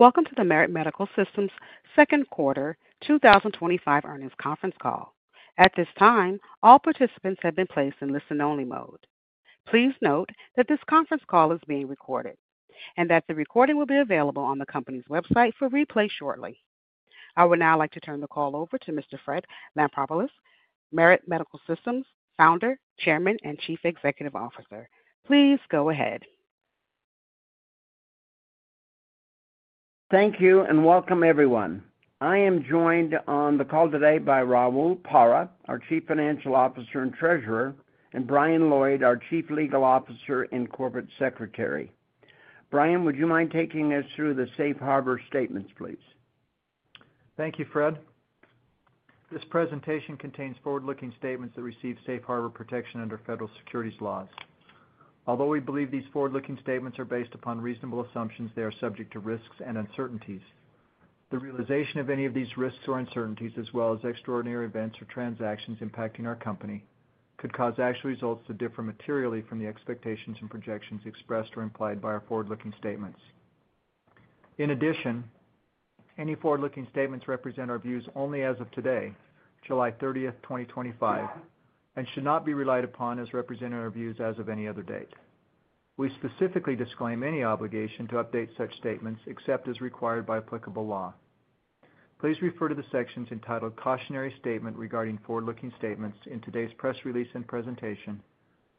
Welcome to the Merit Medical Systems second quarter 2025 earnings conference call. At this time, all participants have been placed in listen-only mode. Please note that this conference call is being recorded and that the recording will be available on the company's website for replay shortly. I would now like to turn the call over to Mr. Fred Lampropoulos, Merit Medical Systems Founder, Chairman and Chief Executive Officer. Please go ahead. Thank you and welcome everyone. I am joined on the call today by and Treasurer, and Brian Lloyd, our Chief Legal Officer and Corporate Secretary. Brian, would you mind taking us through the safe harbor statements please? Thank you, Fred. This presentation contains forward looking statements that receive safe harbor protection under federal securities laws. Although we believe these forward looking statements are based upon reasonable assumptions, they are subject to risks and uncertainties. The realization of any of these risks or uncertainties, as well as extraordinary events or transactions impacting our Company, could cause actual results to differ materially from the expectations and projections expressed or implied by our forward looking statements. In addition, any forward looking statements represent our views only as of today, July 30, 2025, and should not be relied upon as representing our views as of any other date. We specifically disclaim any obligation to update such statements except as required by applicable law. Please refer to the sections entitled Cautionary Statement Regarding Forward Looking Statements in today's press release and presentation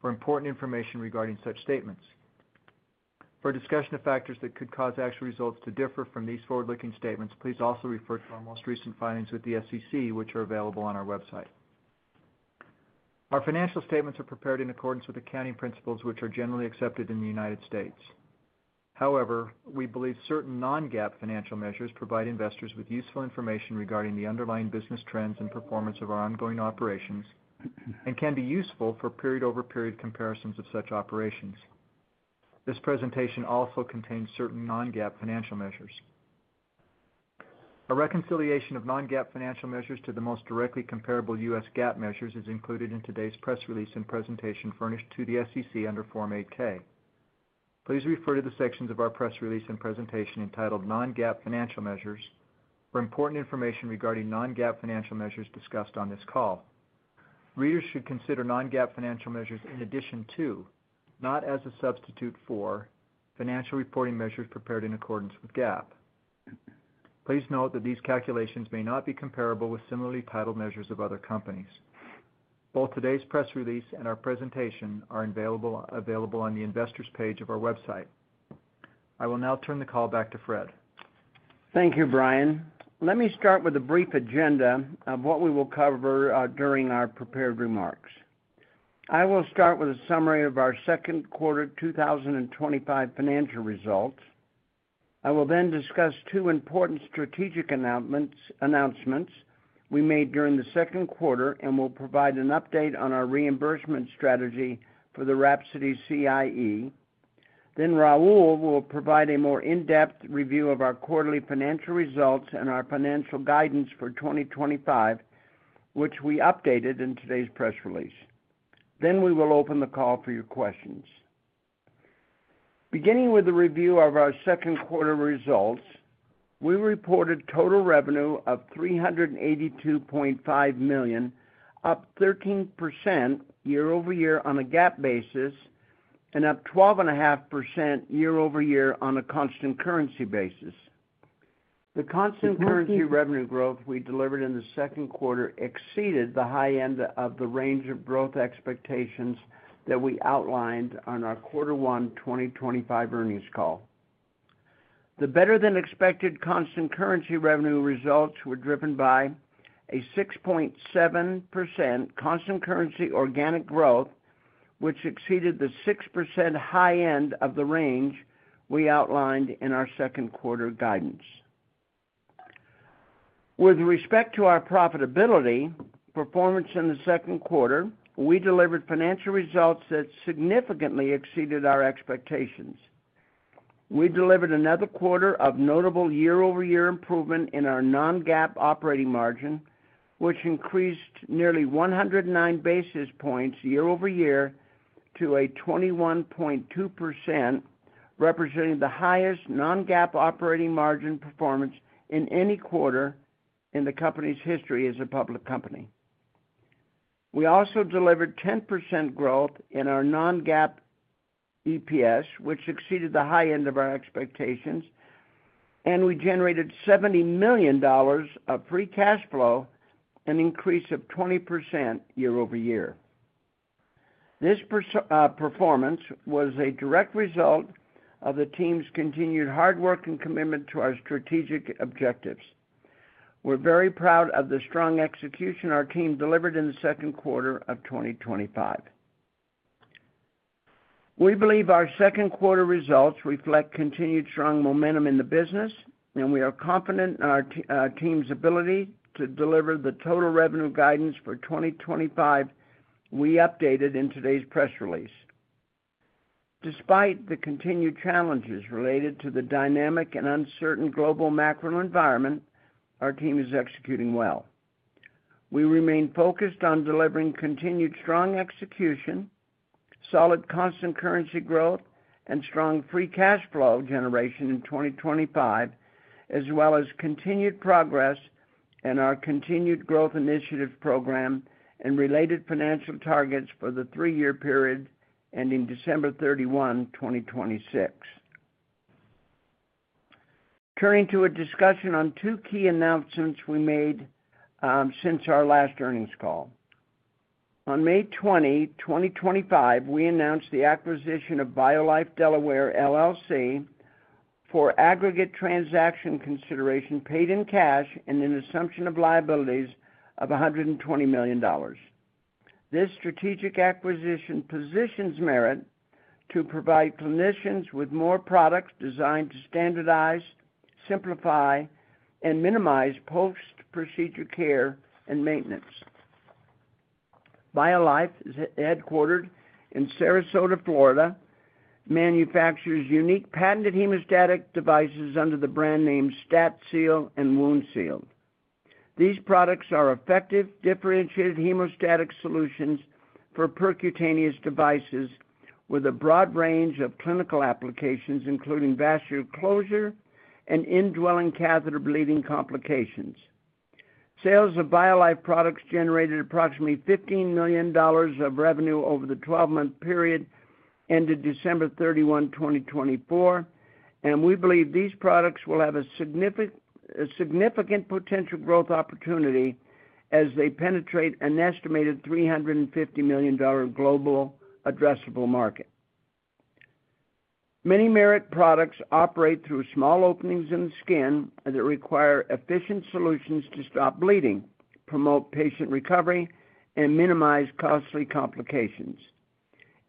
for important information regarding such statements. For a discussion of factors that could cause actual results to differ from these forward looking statements, please also refer to our most recent filings with the SEC, which are available on our website. Our financial statements are prepared in accordance with accounting principles which are generally accepted in the United States. However, we believe certain non-GAAP financial measures provide investors with useful information regarding the underlying business trends and performance of our ongoing operations and can be useful for period over period comparisons of such operations. This presentation also contains certain non-GAAP financial measures. A reconciliation of non-GAAP financial measures to the most directly comparable U.S. GAAP measures is included in today's press release and presentation furnished to the SEC under Form 8-K. Please refer to the sections of our press release and presentation entitled Non-GAAP Financial Measures. For important information regarding non-GAAP financial measures discussed on this call, readers should consider non-GAAP financial measures in addition to, not as a substitute for, financial reporting measures prepared in accordance with GAAP. Please note that these calculations may not be comparable with similarly titled measures of other companies. Both today's press release and our presentation are available on the Investors page of our website. I will now turn the call back to Fred. Thank you, Brian. Let me start with a brief agenda of what we will cover during our prepared remarks. I will start with a summary of our second quarter 2025 financial results. I will then discuss two important strategic announcements we made during the second quarter and will provide an update on our reimbursement strategy for the WRAPSODY CIE. Raul will provide a more in-depth review of our quarterly financial results and our financial guidance for 2025, which we updated in today's press release. We will open the call for your questions, beginning with a review of our second quarter results. We reported total revenue of $382.5 million, up 13% year-over-year on a GAAP basis and up 12.5% year-over-year on a constant currency basis. The constant currency revenue growth we delivered in the second quarter exceeded the high end of the range of growth expectations that we outlined on our first quarter 2025 earnings call. The better than expected constant currency revenue results were driven by a 6.7% constant currency organic growth, which exceeded the 6% high end of the range we outlined in our second quarter guidance. With respect to our profitability performance in the second quarter, we delivered financial results that significantly exceeded our expectations. We delivered another quarter of notable year-over-year improvement in our non-GAAP operating margin, which increased nearly 109 basis points year-over-year to 21.2%, representing the highest non-GAAP operating margin performance in any quarter in the company's history as a public company. We also delivered 10% growth in our non-GAAP EPS, which exceeded the high end of our expectations, and we generated $70 million of free cash flow, an increase of 20% year-over-year. This performance was a direct result of the team's continued hard work and commitment to our strategic objectives. We're very proud of the strong execution our team delivered in the second quarter of 2025. We believe our second quarter results reflect continued strong momentum in the business, and we are confident in our team's ability to deliver the total revenue guidance for 2025 we updated in today's press release. Despite the continued challenges related to the dynamic and uncertain global macro environment, our team is executing well. We remain focused on delivering continued strong execution, solid constant currency growth, and strong free cash flow generation in 2025, as well as continued progress in our Continued Growth Initiatives program and related financial targets for the three-year period ending December 31, 2026. Turning to a discussion on two key announcements we made since our last earnings call on May 20, 2025, we announced the acquisition of Biolife Delaware LLC for aggregate transaction consideration paid in cash and an assumption of liabilities of $120 million. This strategic acquisition positions Merit to provide clinicians with more products designed to standardize, simplify, and minimize post-procedure care and maintenance. Biolife is headquartered in Sarasota, Florida, and manufactures unique patented hemostatic devices under the brand names StatSeal and WoundSeal. These products are effective, differentiated hemostatic solutions for percutaneous devices with a broad range of clinical applications, including vascular closure and indwelling catheter bleeding complications. Sales of Biolife products generated approximately $15 million of revenue over the 12-month period ended December 31, 2024, and we believe these products will have a significant potential growth opportunity as they penetrate an estimated $350 million global addressable market. Many Merit products operate through small openings in the skin that require efficient solutions to stop bleeding, promote patient recovery, and minimize costly complications.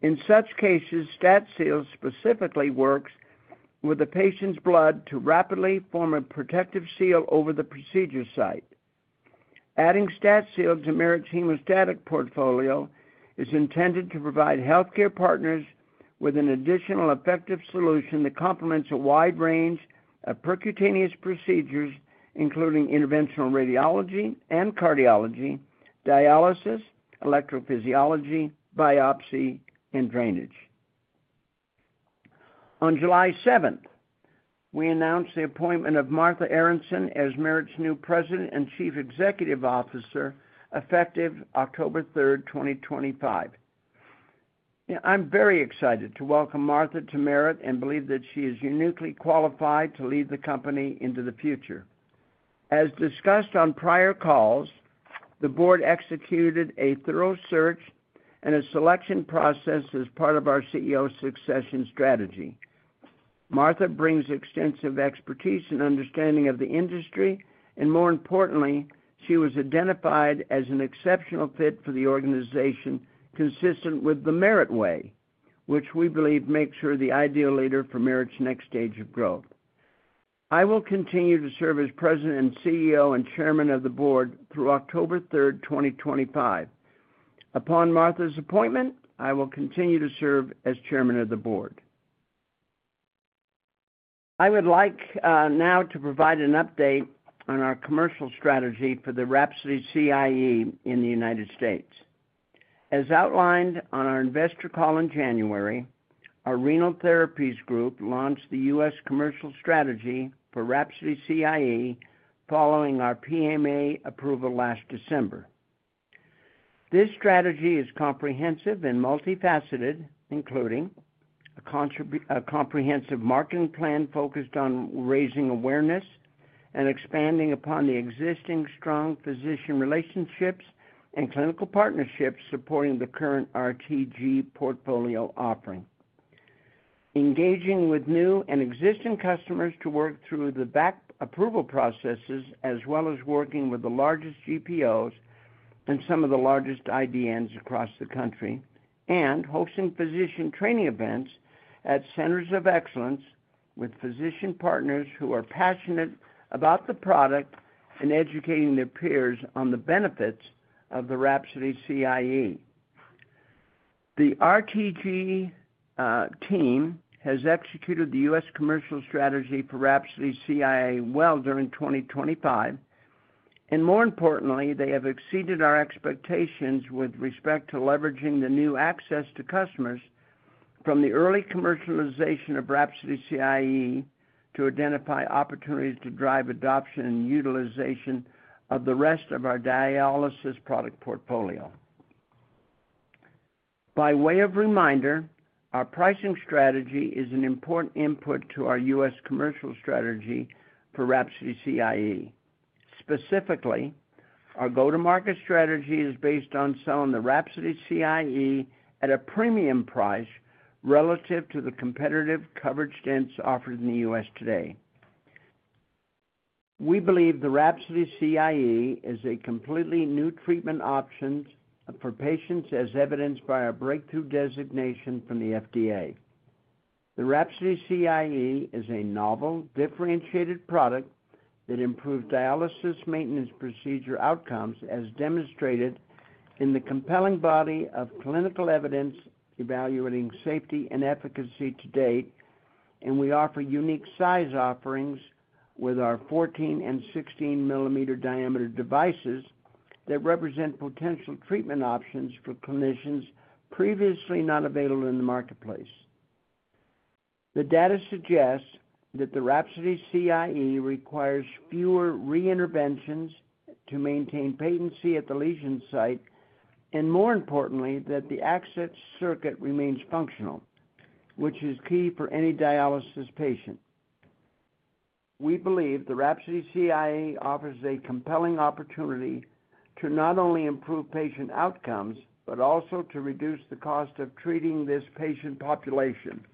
In such cases, StatSeal specifically works with the patient's blood to rapidly form a protective seal over the procedure site. Adding StatSeal to Merit's hemostatic portfolio is intended to provide healthcare partners with an additional effective solution that complements a wide range of percutaneous procedures, including interventional radiology and cardiology, dialysis, electrophysiology, biopsy, and drainage. On July 7, we announced the appointment of Martha Aronson as Merit's new President and Chief Executive Officer, effective October 3rd, 2025. I'm very excited to welcome Martha to Merit and believe that she is uniquely qualified to lead the company into the future. As discussed on prior calls, the Board executed a thorough search and selection process as part of our CEO succession strategy. Martha brings extensive expertise and understanding of the industry and, more importantly, she was identified as an exceptional fit for the organization consistent with the Merit Way, which we believe makes her the ideal leader for Merit's next stage of growth. I will continue to serve as President and CEO and Chairman of the Board through October 3rd, 2025. Upon Martha's appointment, I will continue to serve as Chairman of the Board. I would like now to provide an update on our commercial strategy for the WRAPSODY CIE in the United States as outlined on our investor call. In January, our Renal Therapies Group launched the U.S. commercial strategy for WRAPSODY CIE following our PMA approval last December. This strategy is comprehensive and multifaceted, including a comprehensive marketing plan focused on raising awareness and expanding upon the existing strong physician relationships and clinical partnerships supporting the current RTG portfolio offering, engaging with new and existing customers to work through the back approval processes, as well as working with the largest GPOs and some of the largest IDNs across the country and hosting physician training events at centers of excellence with physician partners who are passionate about the product and educating their peers on the benefits of the WRAPSODY CIE. The RTG team has executed the U.S. commercial strategy for WRAPSODY CIE well during 2025 and, more importantly, they have exceeded our expectations with respect to leveraging the new access to customers from the early commercialization of WRAPSODY CIE to identify opportunities to drive adoption and utilization of the rest of our dialysis product portfolio. By way of reminder, our pricing strategy is an important input to our U.S. commercial strategy for WRAPSODY CIE. Specifically, our go-to-market strategy is based on selling the WRAPSODY CIE at a premium price relative to the competitive covered stents offered in the U.S. today. We believe the WRAPSODY CIE is a completely new treatment option for patients as evidenced by our breakthrough designation from the FDA. The WRAPSODY CIE is a novel differentiated product that improves dialysis maintenance procedure outcomes as demonstrated in the compelling body of clinical evidence evaluating safety and efficacy to date, and we offer unique size offerings with our 14 mm and 16 mm diameter devices that represent potential treatment options for clinicians previously not available in the marketplace. The data suggests that the WRAPSODY CIE requires fewer reinterventions to maintain patency at the lesion site, and more importantly, that the access circuit remains functional, which is key for any dialysis patient. We believe the WRAPSODY CIE offers a compelling opportunity to not only improve patient outcomes but also to reduce the cost of treating this patient population.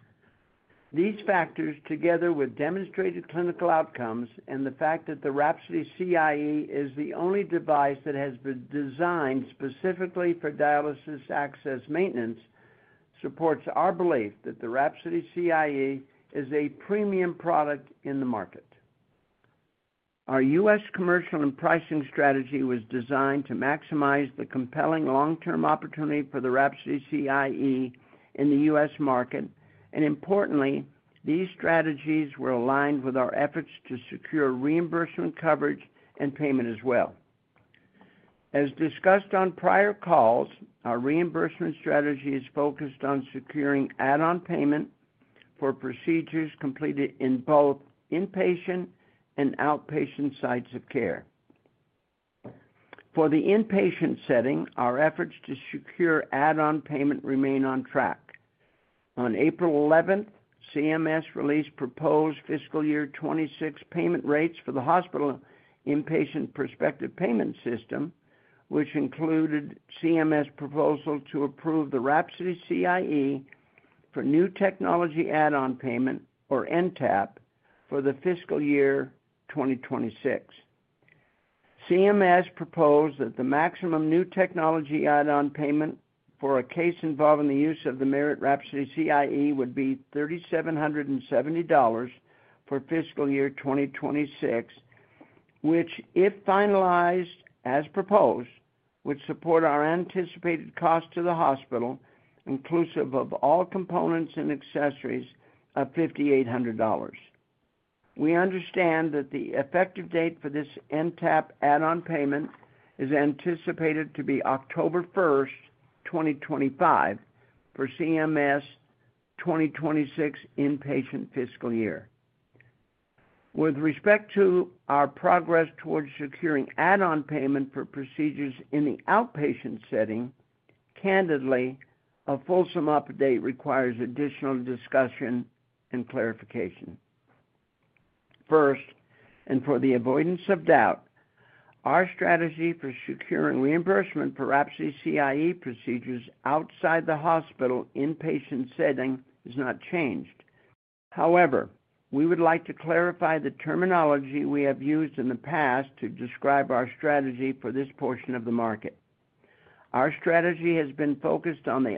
These factors, together with demonstrated clinical outcomes and the fact that the WRAPSODY CIE is the only device that has been designed specifically for dialysis access maintenance, support our belief that the WRAPSODY CIE is a premium product in the market. Our U.S. commercial and pricing strategy was designed to maximize the compelling long-term opportunity for the WRAPSODY CIE in the U.S. market, and importantly, these strategies were aligned with our efforts to secure reimbursement coverage and payment as well. As discussed on prior calls, our reimbursement strategy is focused on securing add-on payment for procedures completed in both inpatient and outpatient sites of care. For the inpatient setting, our efforts to secure add-on payment remain on track. On April 11, CMS released proposed fiscal year 2026 payment rates for the hospital Inpatient Prospective Payment System, which included CMS proposal to approve the WRAPSODY CIE for new technology add-on payment or NTAP. For the fiscal year 2026, CMS proposed that the maximum new technology add-on payment for a case involving the use of the Merit WRAPSODY CIE would be $3,770 for fiscal year 2026, which, if finalized as proposed, would support our anticipated cost to the hospital and inclusive of all components and accessories of $5,800. We understand that the effective date for this NTAP add-on payment is anticipated to be October 1st, 2025, for CMS 2026 inpatient fiscal year. With respect to our progress towards securing add-on payment for procedures in the outpatient setting, candidly, a fulsome update requires additional discussion and clarification. First, and for the avoidance of doubt, our strategy for securing reimbursement for WRAPSODY CIE procedures outside the hospital inpatient setting has not changed. However, we would like to clarify the terminology we have used in the past to describe our strategy for this portion of the market. Our strategy has been focused on the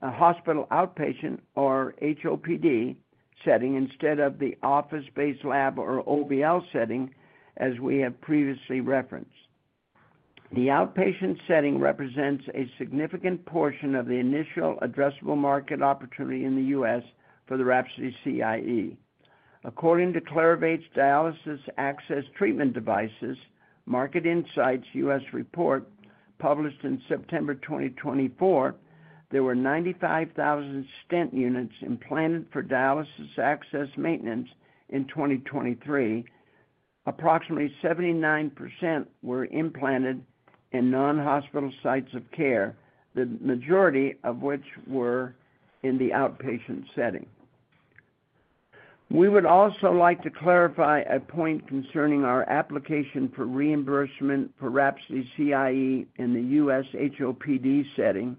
hospital outpatient or HOPD setting instead of the office-based lab or OBL setting as we have previously referenced. The outpatient setting represents a significant portion of the initial addressable market opportunity in the U.S. for the WRAPSODY CIE. According to Clarovate Dialysis Access Treatment Devices Market Insights U.S. report published in September 2024, there were 95,000 stent units implanted for dialysis access maintenance in 2023. Approximately 79% were implanted in non-hospital sites of care, the majority of which were in the outpatient setting. We would also like to clarify a point concerning our application for reimbursement for WRAPSODY CIE in the U.S. HOPD setting.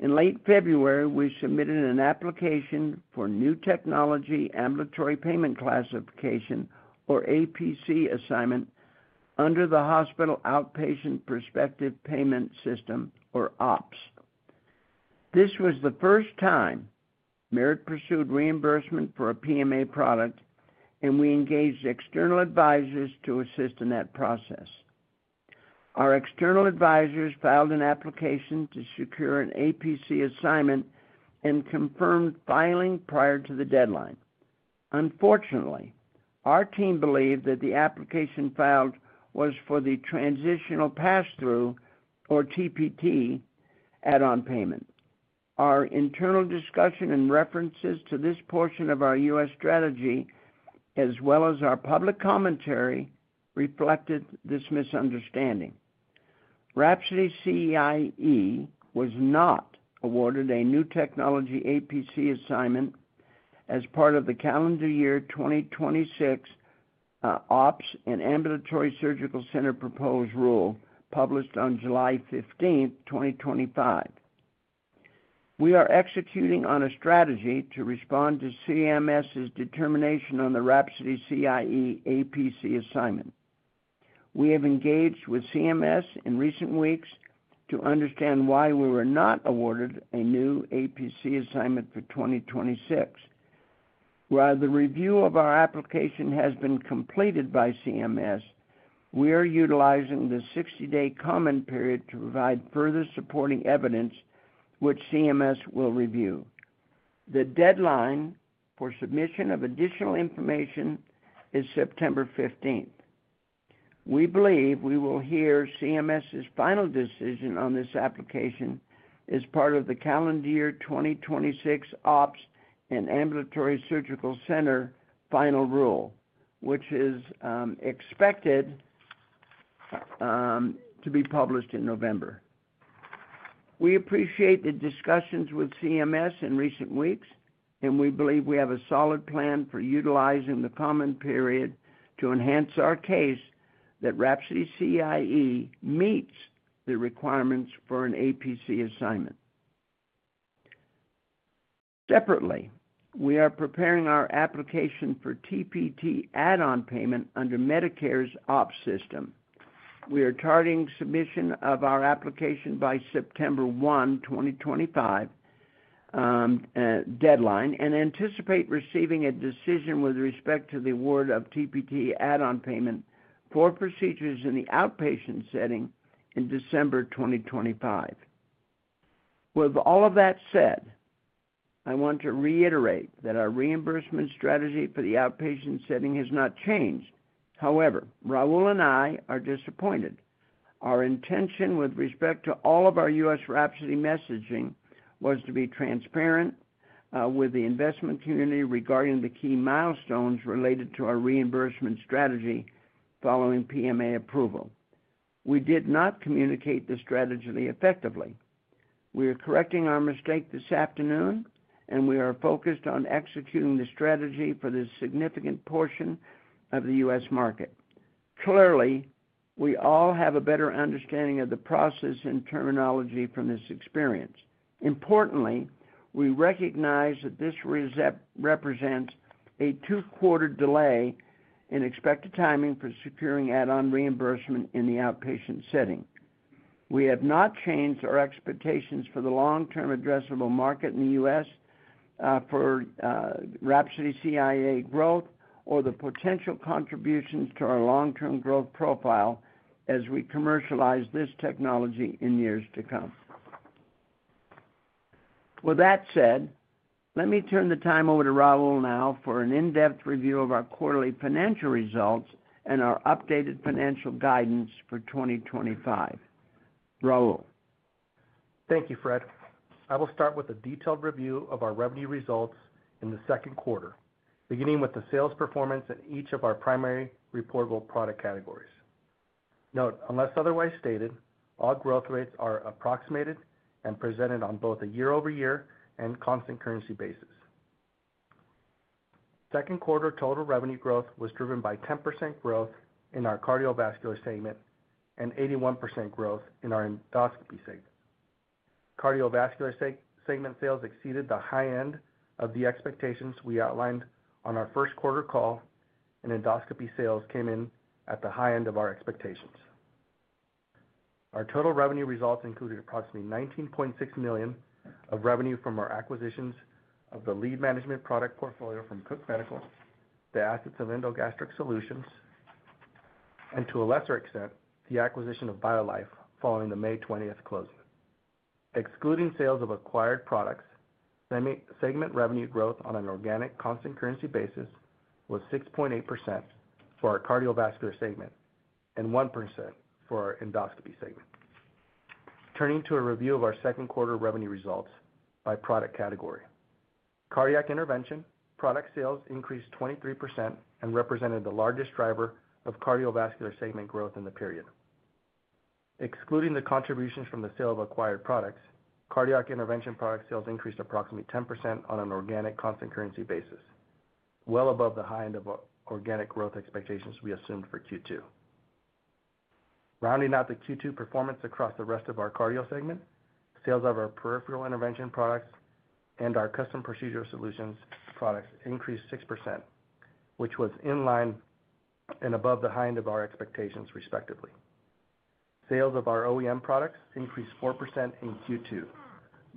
In late February, we submitted an application for New Technology Ambulatory Payment Classification, or APC assignment, under the Hospital Outpatient Prospective Payment System, or OPS. This was the first time Merit pursued reimbursement for a PMA product, and we engaged external advisors to assist in that process. Our external advisors filed an application to secure an APC assignment and confirmed filing prior to the deadline. Unfortunately, our team believed that the application filed was for the Transitional Pass-Through, or TPT, add-on payment. Our internal discussion and references to this portion of our U.S. strategy, as well as our public commentary, reflected this misunderstanding. WRAPSODY CIE was not awarded a New Technology APC assignment as part of the calendar year 2026 OPS and Ambulatory Surgical Center proposed rule published on July 15th, 2025. We are executing on a strategy to respond to CMS determination on the WRAPSODY CIE APC assignment. We have engaged with CMS in recent weeks to understand why we were not awarded a new APC assignment for 2026. While the review of our application has been completed by CMS, we are utilizing the 60-day comment period to provide further supporting evidence, which CMS will review. The deadline for submission of additional information is September 15th. We believe we will hear CMS's final decision on this application as part of the calendar year 2026 OPS and Ambulatory Surgical Center Final Rule, which is expected to be published in November. We appreciate the discussions with CMS in recent weeks, and we believe we have a solid plan for utilizing the comment period to enhance our case that WRAPSODY CIE meets the requirements for an APC assignment. Separately, we are preparing our application for TPT add-on payment under Medicare's OP system. We are targeting submission of our application by the September 1, 2025, deadline and anticipate receiving a decision with respect to the award of TPT add-on payment for procedures in the outpatient setting in December 2025. With all of that said, I want to reiterate that our reimbursement strategy for the outpatient setting has not changed. However, Raul and I are disappointed. Our intention with respect to all of our U.S. WRAPSODY messaging was to be transparent with the investment community regarding the key milestones related to our reimbursement strategy following PMA approval. We did not communicate the strategy effectively. We are correcting our mistake this afternoon, and we are focused on executing the strategy for this significant portion of the U.S. market. Clearly, we all have a better understanding of the process and terminology from this experience. Importantly, we recognize that this reception represents a two-quarter delay in expected timing for securing add-on reimbursement in the outpatient setting. We have not changed our expectations for the long-term addressable market in the U.S. for WRAPSODY CIE growth or the potential contributions to our long-term growth profile as we commercialize this technology in years to come. With that said, let me turn the time over to Raul now for an in-depth review of our quarterly financial results and our updated financial guidance for 2025. Raul, thank you. Fred, I will start with a detailed review of our revenue results in the second quarter, beginning with the sales performance at each of our primary reportable product categories. Note, unless otherwise stated, all growth rates are approximated and presented on both a year-over-year and constant currency basis. Second quarter total revenue growth was driven by 10% growth in our cardiovascular segment and 81% growth in our endoscopy segment. Cardiovascular segment sales exceeded the high end of the expectations we outlined on our first quarter call, and endoscopy sales came in at the high end of our expectations. Our total revenue results included approximately $19.6 million of revenue from our acquisitions of the lead management product portfolio from Cook Medical, the assets of EndoGastric Solutions, and to a lesser extent, the acquisition of Biolife following the May 20 closing. Excluding sales of acquired products, same segment revenue growth on an organic constant currency basis was 6.8% for our cardiovascular segment and 1% for our endoscopy segment. Turning to a review of our second quarter revenue results by product category, cardiac intervention product sales increased 23% and represented the largest driver of cardiovascular segment growth in the period. Excluding the contributions from the sale of acquired products, cardiac intervention product sales increased approximately 10% on an organic constant currency basis, well above the high end of organic growth expectations we assumed for Q2. Rounding out the Q2 performance across the rest of our cardio segment, sales of our peripheral intervention products and our custom procedure solutions products increased 6%, which was in line and above the high end of our expectations, respectively. Sales of our OEM products increased 4% in Q2,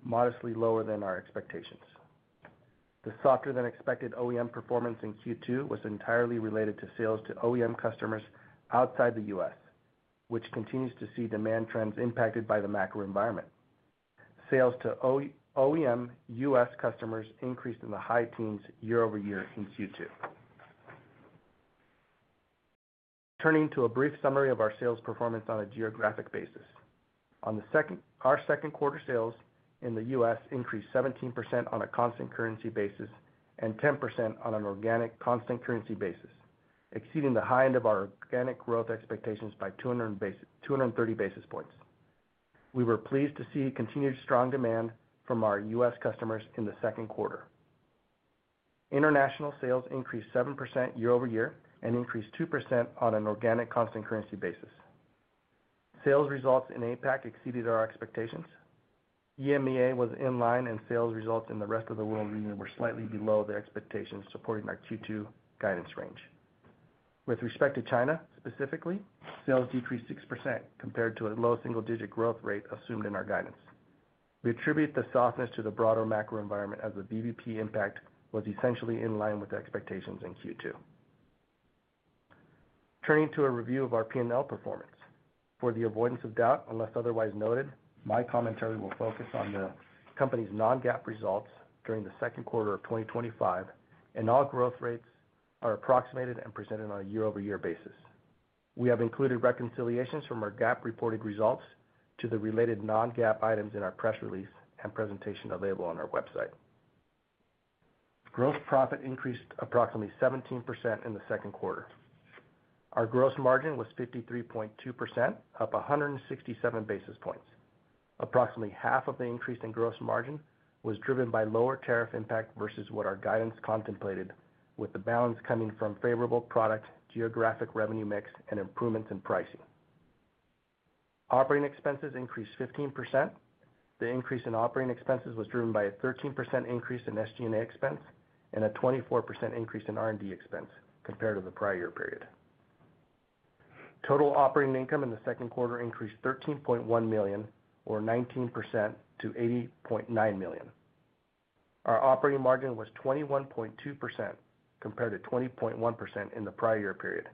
modestly lower than our expectations. The softer than expected OEM performance in Q2 was entirely related to sales to OEM customers outside the U.S., which continues to see demand trends impacted by the macro environment. Sales to OEM U.S. customers increased in the high teens year-over-year in Q2. Turning to a brief summary of our sales performance on a geographic basis, our second quarter sales in the U.S. increased 17% on a constant currency basis and 10% on an organic constant currency basis, exceeding the high end of our organic growth expectations by 230 basis points. We were pleased to see continued strong demand from our U.S. customers in the second quarter. International sales increased 7% year-over-year and increased 2% on an organic constant currency basis. Sales results in APAC exceeded our expectations, EMEA was in line, and sales results in the rest of the world region were slightly below the expectations supporting our Q2 guidance range. With respect to China specifically, sales decreased 6% compared to a low single-digit growth rate assumed in our guidance. We attribute the softness to the broader macro environment as the BBP impact was essentially in line with expectations in Q2. Turning to a review of our P&L performance, for the avoidance of doubt, unless otherwise noted, my commentary will focus on the company's non-GAAP results during the second quarter of 2025, and all growth rates are approximated and presented on a year-over-year basis. We have included reconciliations from our GAAP reported results to the related non-GAAP items in our press release and presentation available on our website. Gross profit increased approximately 17% in the second quarter. Our gross margin was 53.2%, up 167 basis points. Approximately half of the increase in gross margin was driven by lower tariff impact versus what our guidance contemplated, with the balance coming from favorable product, geographic revenue mix, and improvements in pricing. Operating expenses increased 15%. The increase in operating expenses was driven by a 13% increase in SG&A expense and a 24% increase in R&D expense compared to the prior year period. Total operating income in the second quarter increased $13.1 million or 19% to $80.9 million. Our operating margin was 21.2% compared to 20.1% in the prior year period,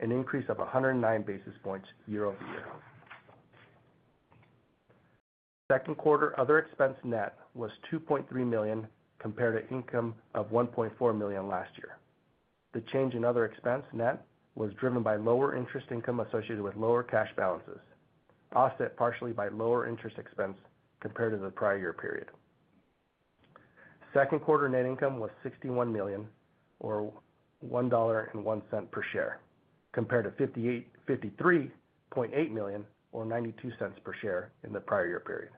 an increase of 109 basis points year-over-year. Second quarter other expense, net, was $2.3 million compared to income of $1.4 million last year. The change in other expense, net, was driven by lower interest income associated with lower cash balances, offset partially by lower interest expense compared to the prior year period. Second quarter net income was $61 million or $1.01 per share compared to $53.8 million or $0.92 per share in the prior year period.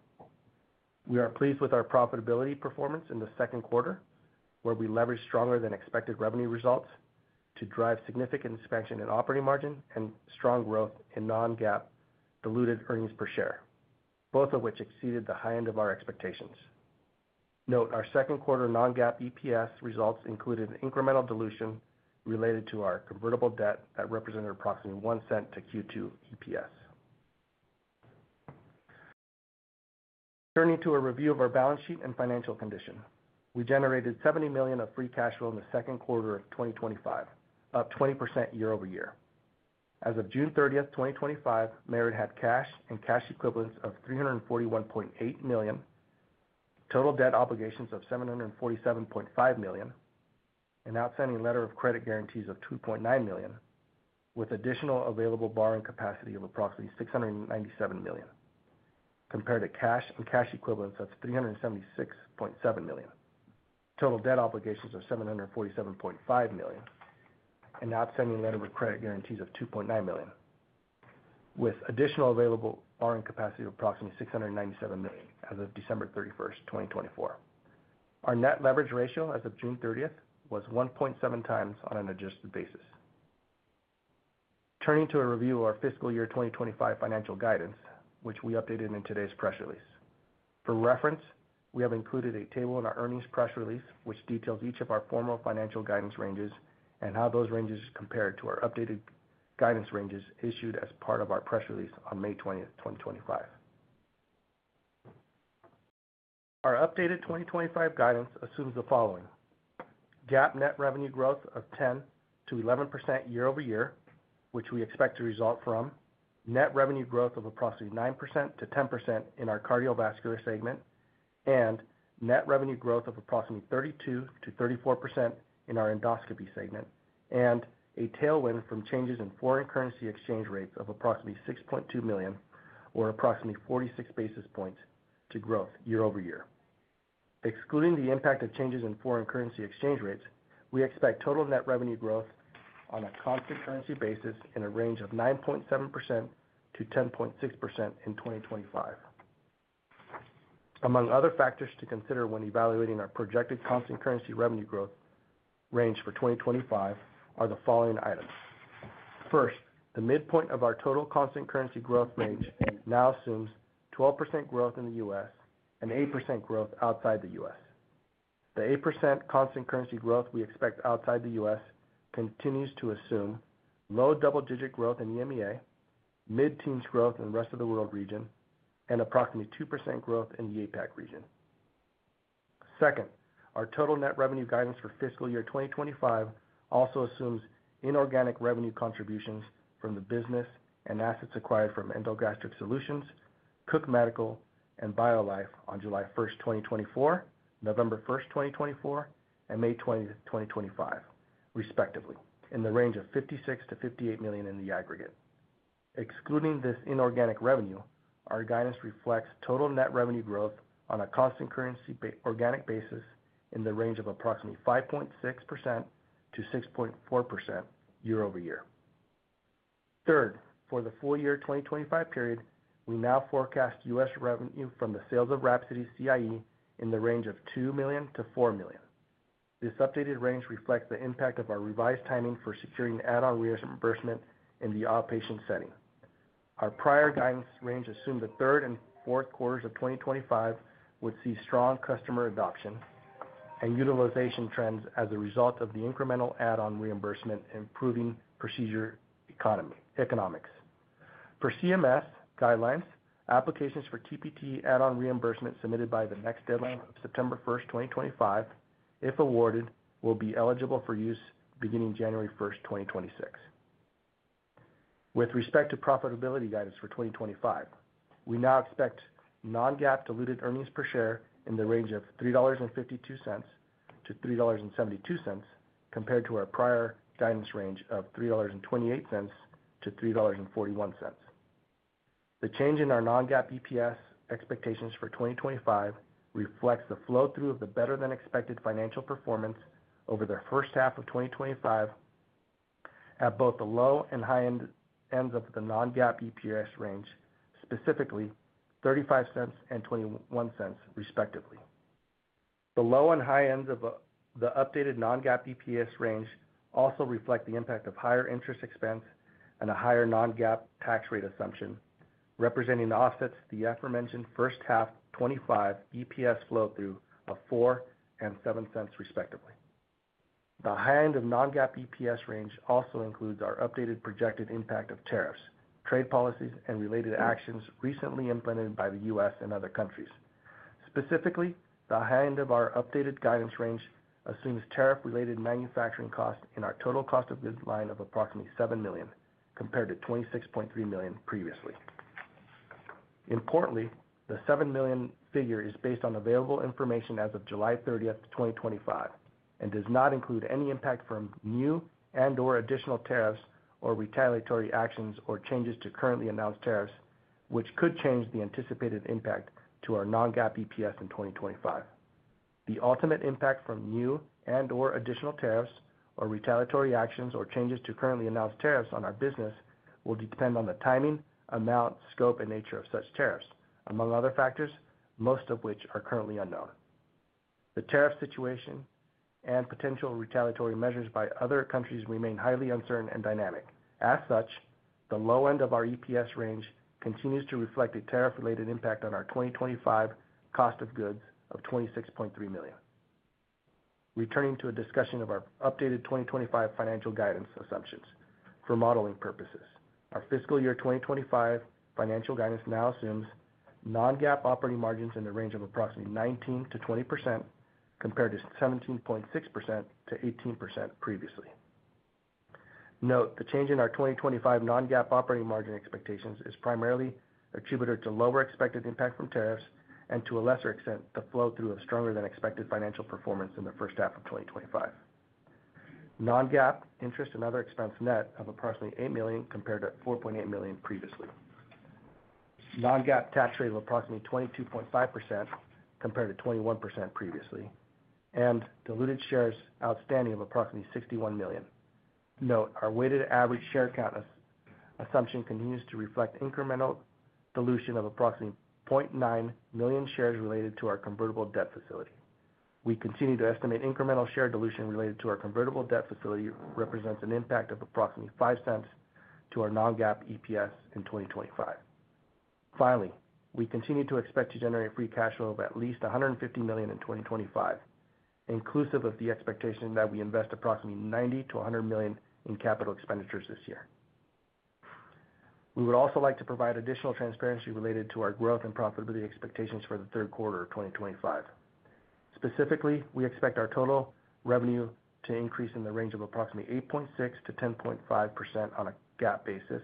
We are pleased with our profitability performance in the second quarter where we leveraged stronger than expected revenue results to drive significant expansion in operating margin and strong growth in non-GAAP diluted earnings per share, both of which exceeded the high end of our expectations. Note. Our second quarter non-GAAP EPS results included incremental dilution related to our convertible debt that represented approximately $0.01 to Q2 EPS. Turning to a review of our balance sheet and financial condition, we generated $70 million of free cash flow in the second quarter of 2025, up 20% year-over-year. As of June 30, 2025, Merit had cash and cash equivalents of $341.8 million, total debt obligations of $747.5 million, and outstanding letter of credit guarantees of $2.9 million with additional available borrowing capacity of approximately $697 million, compared to cash and cash equivalents of $376.7 million, total debt obligations of $747.5 million, and outstanding letter of credit guarantees of $2.9 million with additional available borrowing capacity of approximately $697 million as of December 31st, 2024. Our net leverage ratio as of June 30th was 1.7x on an adjusted basis. Turning to a review of our fiscal year 2025 financial guidance, which we updated in today's press release for reference, we have included a table in our earnings press release, which details each of our formal financial guidance ranges and how those ranges compare to our updated guidance ranges issued as part of our press release on May 20th, 2025. Our updated 2025 guidance assumes GAAP net revenue growth of 10%-11% year-over-year, which we expect to result from net revenue growth of approximately 9%-10% in our cardiovascular segment and net revenue growth of approximately 32%-34% in our endoscopy segment, and a tailwind from changes in foreign currency exchange rates of approximately $6.2 million or approximately 46 basis points to growth year-over-year. Excluding the impact of changes in foreign currency exchange rates, we expect total net revenue growth on a constant currency basis in a range of 9.7%-10.6% in 2025. Among other factors to consider when evaluating our projected constant currency revenue growth range for 2025 are the following items. First, the midpoint of our total constant currency growth range now assumes 12% growth in the U.S. and 8% growth outside the U.S. The 8% constant currency growth we expect outside the U.S. continues to assume low double-digit growth in EMEA, mid-teens growth in the rest of the world region, and approximately 2% growth in the APAC region. Second, our total net revenue guidance for fiscal year 2025 also assumes inorganic revenue contributions from the business and assets acquired from EndoGastric Solutions, Cook Medical, and Biolife on July 1st, 2024, November 1st, 2024, and May 20th, 2025, respectively, in the range of $56 million-$58 million in the aggregate. Excluding this inorganic revenue, our guidance reflects total net revenue growth on a constant currency organic basis in the range of approximately 5.6%-6.4% year-over-year. Third, for the full year 2025 period, we now forecast U.S. revenue from the sales of WRAPSODY CIE in the range of $2 million-$4 million. This updated range reflects the impact of our revised timing for securing add-on reimbursement in the outpatient setting. Our prior guidance range assumed the third and fourth quarters of 2025 would see strong customer adoption and utilization trends as a result of the incremental add-on reimbursement improving procedure economics for CMS guidelines. Applications for TPT add-on reimbursement submitted by the next deadline of submission, September 1, 2025, if awarded, will be eligible for use beginning January 1st, 2026. With respect to profitability guidance for 2025, we now expect non-GAAP diluted earnings per share in the range of $3.52-$3.72 compared to our prior guidance range of $3.28-$3.41. The change in our non-GAAP EPS expectations for 2025 reflects the flow through of the better than expected financial performance over the first half of 2025 at both the low and high ends of the non-GAAP EPS range, specifically $0.35 and $0.21, respectively. The low and high ends of the updated non-GAAP EPS range also reflect the impact of higher interest expense and a higher non-GAAP tax rate assumption representing offsets to the aforementioned first half 2025 EPS flow through of $0.04 and $0.07, respectively. The high end of the non-GAAP EPS range also includes our updated projected impact of tariffs, trade policies, and related actions recently implemented by the U.S. and other countries. Specifically, the high end of our updated guidance range assumes tariff-related manufacturing costs in our total cost of goods line of approximately $7 million compared to $26.3 million previously. Importantly, the $7 million figure is based on available information as of July 30th, 2025, and does not include any impact from new and/or additional tariffs or retaliatory actions or changes to currently announced tariffs, which could change the anticipated impact to our non-GAAP EPS in 2025. The ultimate impact from new and/or additional tariffs or retaliatory actions or changes to currently announced tariffs on our business will depend on the timing, amount, scope, and nature of such tariffs, among other factors, most of which are currently unknown. The tariff situation and potential retaliatory measures by other countries remain highly uncertain and dynamic. As such, the low end of our EPS range continues to reflect a tariff-related impact on our 2025 cost of goods of $26.3 million. Returning to a discussion of our updated 2025 financial guidance assumptions for modeling purposes, our fiscal year 2025 financial guidance now assumes non-GAAP operating margins in the range of approximately 19%-20% compared to 17.6%-18% previously. Note, the change in our 2025 non-GAAP operating margin expectations is primarily attributed to lower expected impact from tariffs and, to a lesser extent, the flow through of stronger than expected financial performance in the first half of 2025. Non-GAAP interest and other expense, net, of approximately $8 million compared to $4.8 million previously, non-GAAP tax rate of approximately 22.5% compared to 21% previously, and diluted shares outstanding of approximately 61 million. Note, our weighted average share count assumption continues to reflect incremental dilution of approximately 0.9 million shares related to our convertible debt facility. We continue to estimate incremental share dilution related to our convertible debt facility represents an impact of approximately $0.05 to our non-GAAP EPS in 2025. Finally, we continue to expect to generate free cash flow of at least $150 million in 2025, inclusive of the expectation that we invest approximately $90 to $100 million in capital expenditures this year. We would also like to provide additional transparency related to our growth and profitability expectations for the third quarter 2025. Specifically, we expect our total revenue to increase in the range of approximately 8.6% to 10.5% on a GAAP basis,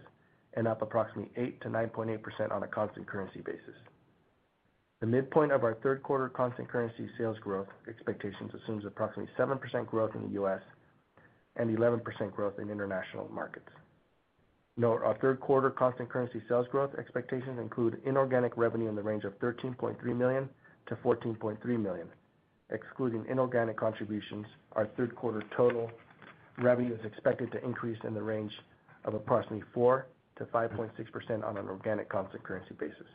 and up approximately 8% to 9.8% on a constant currency basis. The midpoint of our third quarter constant currency sales growth expectations assumes approximately 7% growth in the U.S. and 11% growth in international markets. Note our third quarter constant currency sales growth expectations include inorganic revenue in the range of $13.3 million to $14.3 million. Excluding inorganic contributions, our third quarter total revenue is expected to increase in the range of approximately 4%-5.6% on an organic constant currency basis.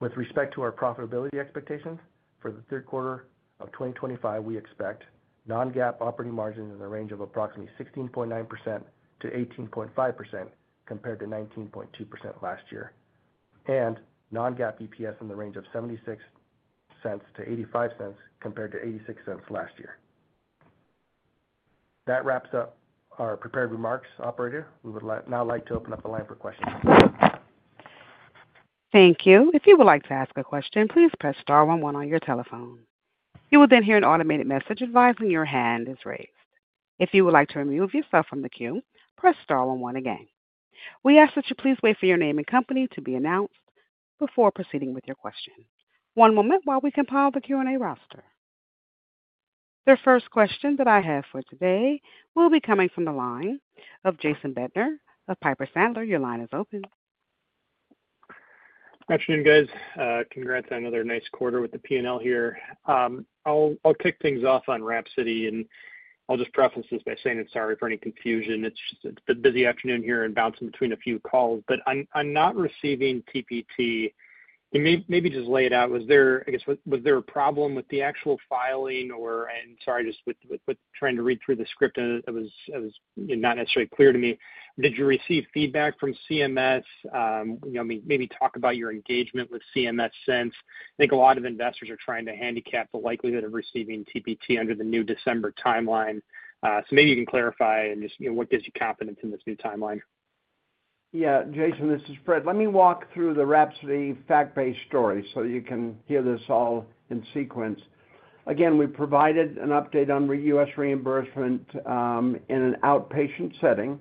With respect to our profitability expectations for the third quarter of 2025, we expect non-GAAP operating margins in the range of approximately 16.9%-18.5% compared to 19.2% last year, and non-GAAP EPS in the range of $0.76-$0.85 compared to $0.86 last year. That wraps up our prepared remarks. Operator, we would now like to open up the line for questions. Thank you. If you would like to ask a question, please press star one one on your telephone. You will then hear an automated message advising your hand is raised. If you would like to remove yourself from the queue, press star one one. Again, we ask that you please wait for your name and company to be announced before proceeding with your question. One moment while we compile the Q&A roster. The first question that I have for today will be coming from the line of Jason Bednar of Piper Sandler. Your line is open. Afternoon, guys. Congrats on another nice quarter with the P&L here. I'll kick things off on WRAPSODY, and I'll just preface this by saying sorry for any confusion. It's just a busy afternoon here and bouncing between a few calls, but I'm not receiving TPT. Maybe just lay it out. Was there a problem with the actual filing? It was not necessarily clear to me. Did you receive feedback from CMS? Maybe talk about your engagement with CMS, since I think a lot of investors are trying to handicap the likelihood of receiving TPT under the new December timeline. Maybe you can clarify and just what gives you confidence in this new timeline. Yeah, Jason, this is Fred. Let me walk through the WRAPSODY fact based story so you can hear this all in sequence. Again, we provided an update on U.S. reimbursement in an outpatient setting.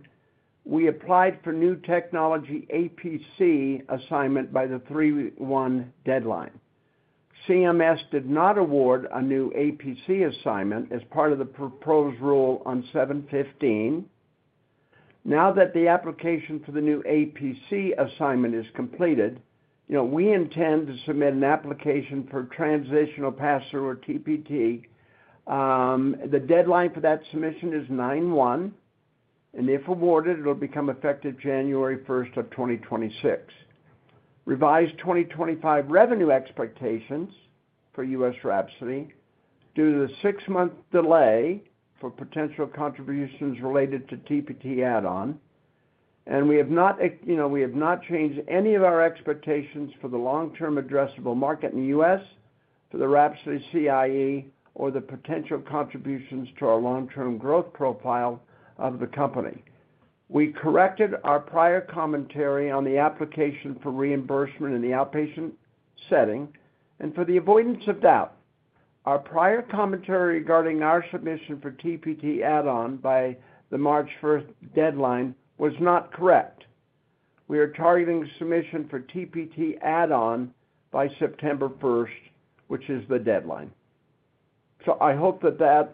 We applied for new technology APC assignment by the 3:1 deadline. CMS did not award a new APC assignment as part of the proposed rule on 7/15. Now that the application for the new APC assignment is completed, you know we intend to submit an application for transitional pass through or TPT. The deadline for that submission is 9/1 and if awarded it will become effective January 1st, 2026. Revised 2025 revenue expectations for U.S. WRAPSODY due to the six month delay for potential contributions related to TPT add on and we have not changed any of our expectations for the long term addressable market in the U.S. for the WRAPSODY CIE or the potential contributions to our long term growth profile of the company. We corrected our prior commentary on the application for reimbursement in the outpatient setting. For the avoidance of doubt, our prior commentary regarding our submission for TPT add on by the March 1st deadline was not correct. We are targeting submission for TPT add on by September 1st, which is the deadline. I hope that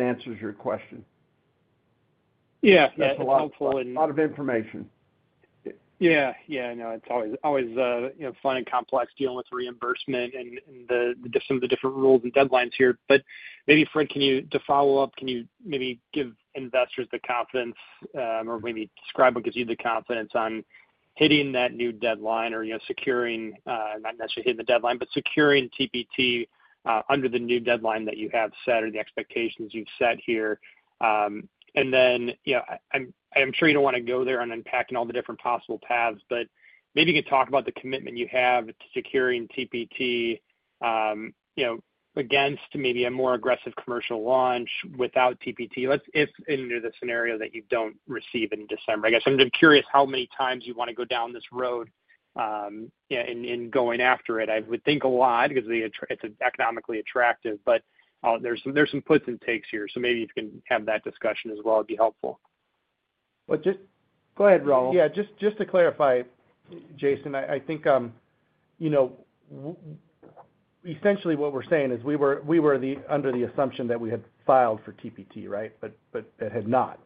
answers your question. Yeah, that's helpful. A lot of information. No, it's always fun and complex dealing with reimbursement and some of the different rules and deadlines here. Maybe, Fred, can you, to follow up, can you maybe give investors the confidence or maybe describe what gives you the confidence on hitting that new deadline or, you know, securing, not necessarily hitting the deadline, but securing TPT under the new deadline that you have set or the expectations you've set here? I'm sure you don't want to go there in unpacking all the different possible paths, but maybe you could talk about the commitment you have to securing TPT against maybe a more aggressive commercial launch without TPT if, in the scenario that you don't receive in December. I guess I'm curious how manyx you want to go down this road in going after it. I would think a lot because it's economically attractive. There's some puts and takes here, so maybe you can have that discussion as well. It'd be helpful. Go ahead, Raul. Yeah. Just to clarify, Jason, I think, you know, essentially what we're saying is we were under the assumption that we had filed for TPT, right, but had not.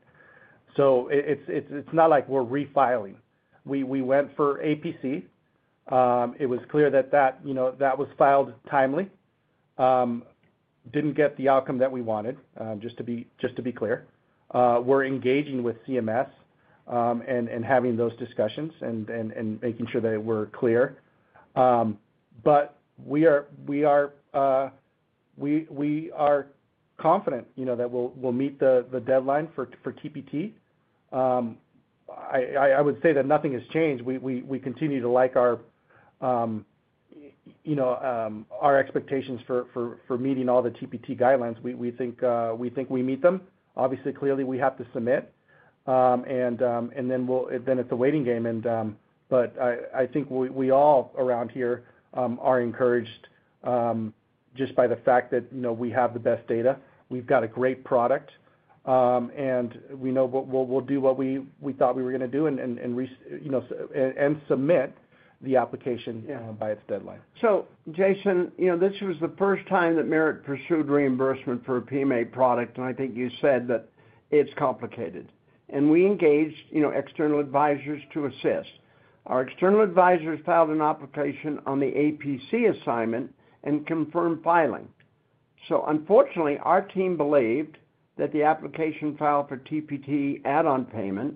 It's not like we're refiling. We went for APC. It was clear that that was filed timely, didn't get the outcome that we wanted. Just to be clear, we're engaging with CMS and having those discussions and making sure that we're clear. We are confident that we'll meet the deadline for TPT. I would say that nothing has changed. We continue to like our expectations for meeting all the TPT guidelines. We think we meet them. Obviously, clearly we have to submit and then it's a waiting game. I think we all around here are encouraged just by the fact that we have the best data, we've got a great product, and we know we'll do what we thought we were going to do and submit the application by its deadline. Jason, this was the first time that Merit pursued reimbursement for a PMA product. I think you said that it's complicated and we engaged external advisors to assist. Our external advisors filed an application on the APC assignment and confirmed filing. Unfortunately, our team believed that the application filed for TPT add-on payment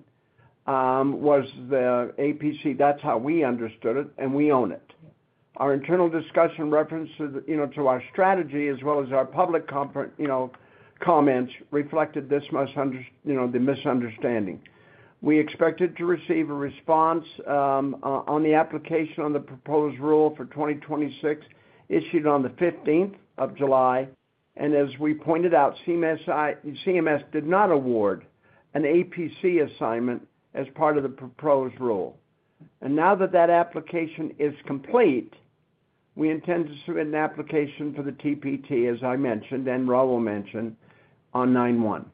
was the APC. That's how we understood it and we own it. Our internal discussion, references to our strategy, as well as our public comments reflected this misunderstanding. We expected to receive a response on the application on the proposed rule for 2026 issued on July 15th. As we pointed out, CMS did not award an APC assignment as part of the proposed rule. Now that that application is complete, we intend to submit an application for the TPT. As I mentioned and Raul mentioned on 9:1,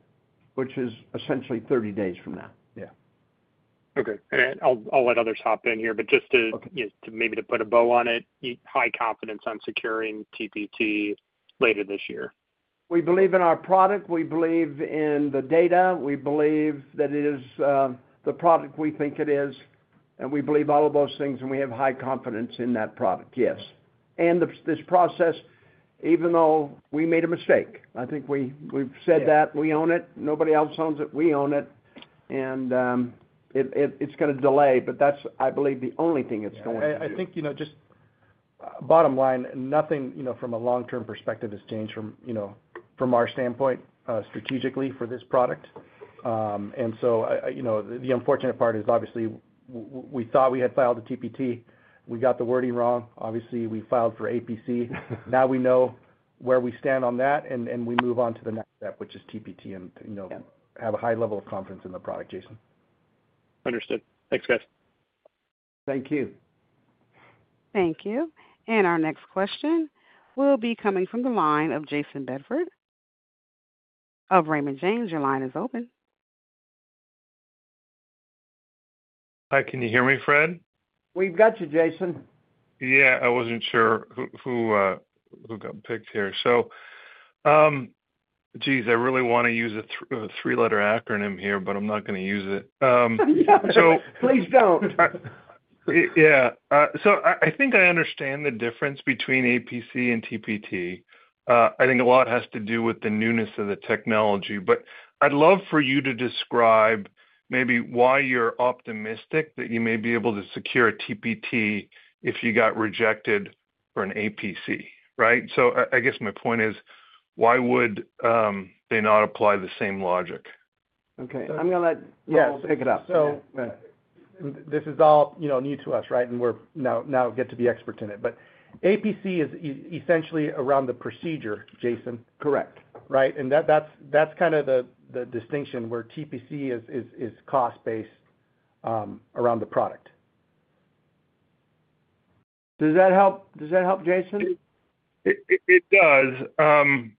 which is essentially 30 days from now. Okay, I'll let others hop in here. Just maybe to put a bow on it, high confidence on securing TPT later this year. We believe in our product. We believe in the data. We believe that it is the product we think it is, and we believe all of those things, and we have high confidence in that product. Yes. This process, even though we made a mistake, I think we've said that we own it. Nobody else owns it. We own it, and it's going to delay. I believe that's the only thing. That's going to, I think, just bottom line, nothing from a long term perspective has changed from our standpoint, strategically for this product. The unfortunate part is obviously we thought we had filed a TPT. We got the wording wrong. Obviously, we filed for APC. Now we know where we stand on that, and we move on to the next step, which is TPT, and have a high level of confidence in the product. Jason. Understood. Thanks, guys. Thank you. Thank you. Our next question will be coming from the line of Jason Bedford of Raymond James. Your line is open. Hi, can you hear me, Fred? We've got you, Jason. Yeah, I wasn't sure who got picked here. I really want to use a three letter acronym here, but I'm not going to use it. Please don't. Yeah, I think I understand the difference between APC and TPT. I think a lot has to do with the newness of the technology. I'd love for you to describe maybe why you're optimistic that you may be able to secure a TPT if you got rejected for an APC. I guess my point is why would they not apply the same logic? Okay, I'm going to let yes pick it up. This is all new to us, right? We're now get to be experts in it. APC is essentially around the procedure, Jason. Correct. Right. That's kind of the distinction where TPT is cost based around the product. Does that help? Does that help, Jason? It does. I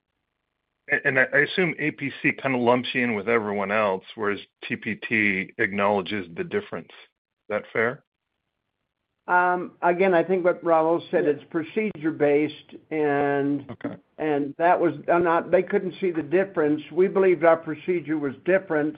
assume APC kind of lumps you in with everyone else, whereas TPT acknowledges the difference. Is that fair? Again, I think what Raul said, it's procedure based and that was not. They couldn't see the difference. We believed our procedure was different.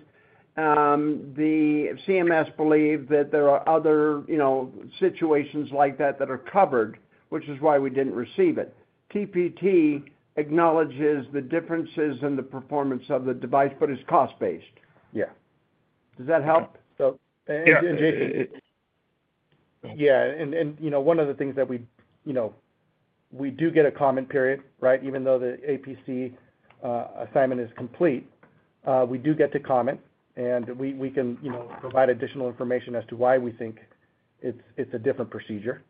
The CMS believed that there are other, you know, situations like that that are covered, which is why we didn't receive it. TPT acknowledges the differences in the performance of the device, but it's cost based. Yeah. Does that help? Yeah. One of the things that we do get is a comment period. Right. Even though the APC assignment is complete, we do get to comment and we can provide additional information as to why we think it's a different procedure.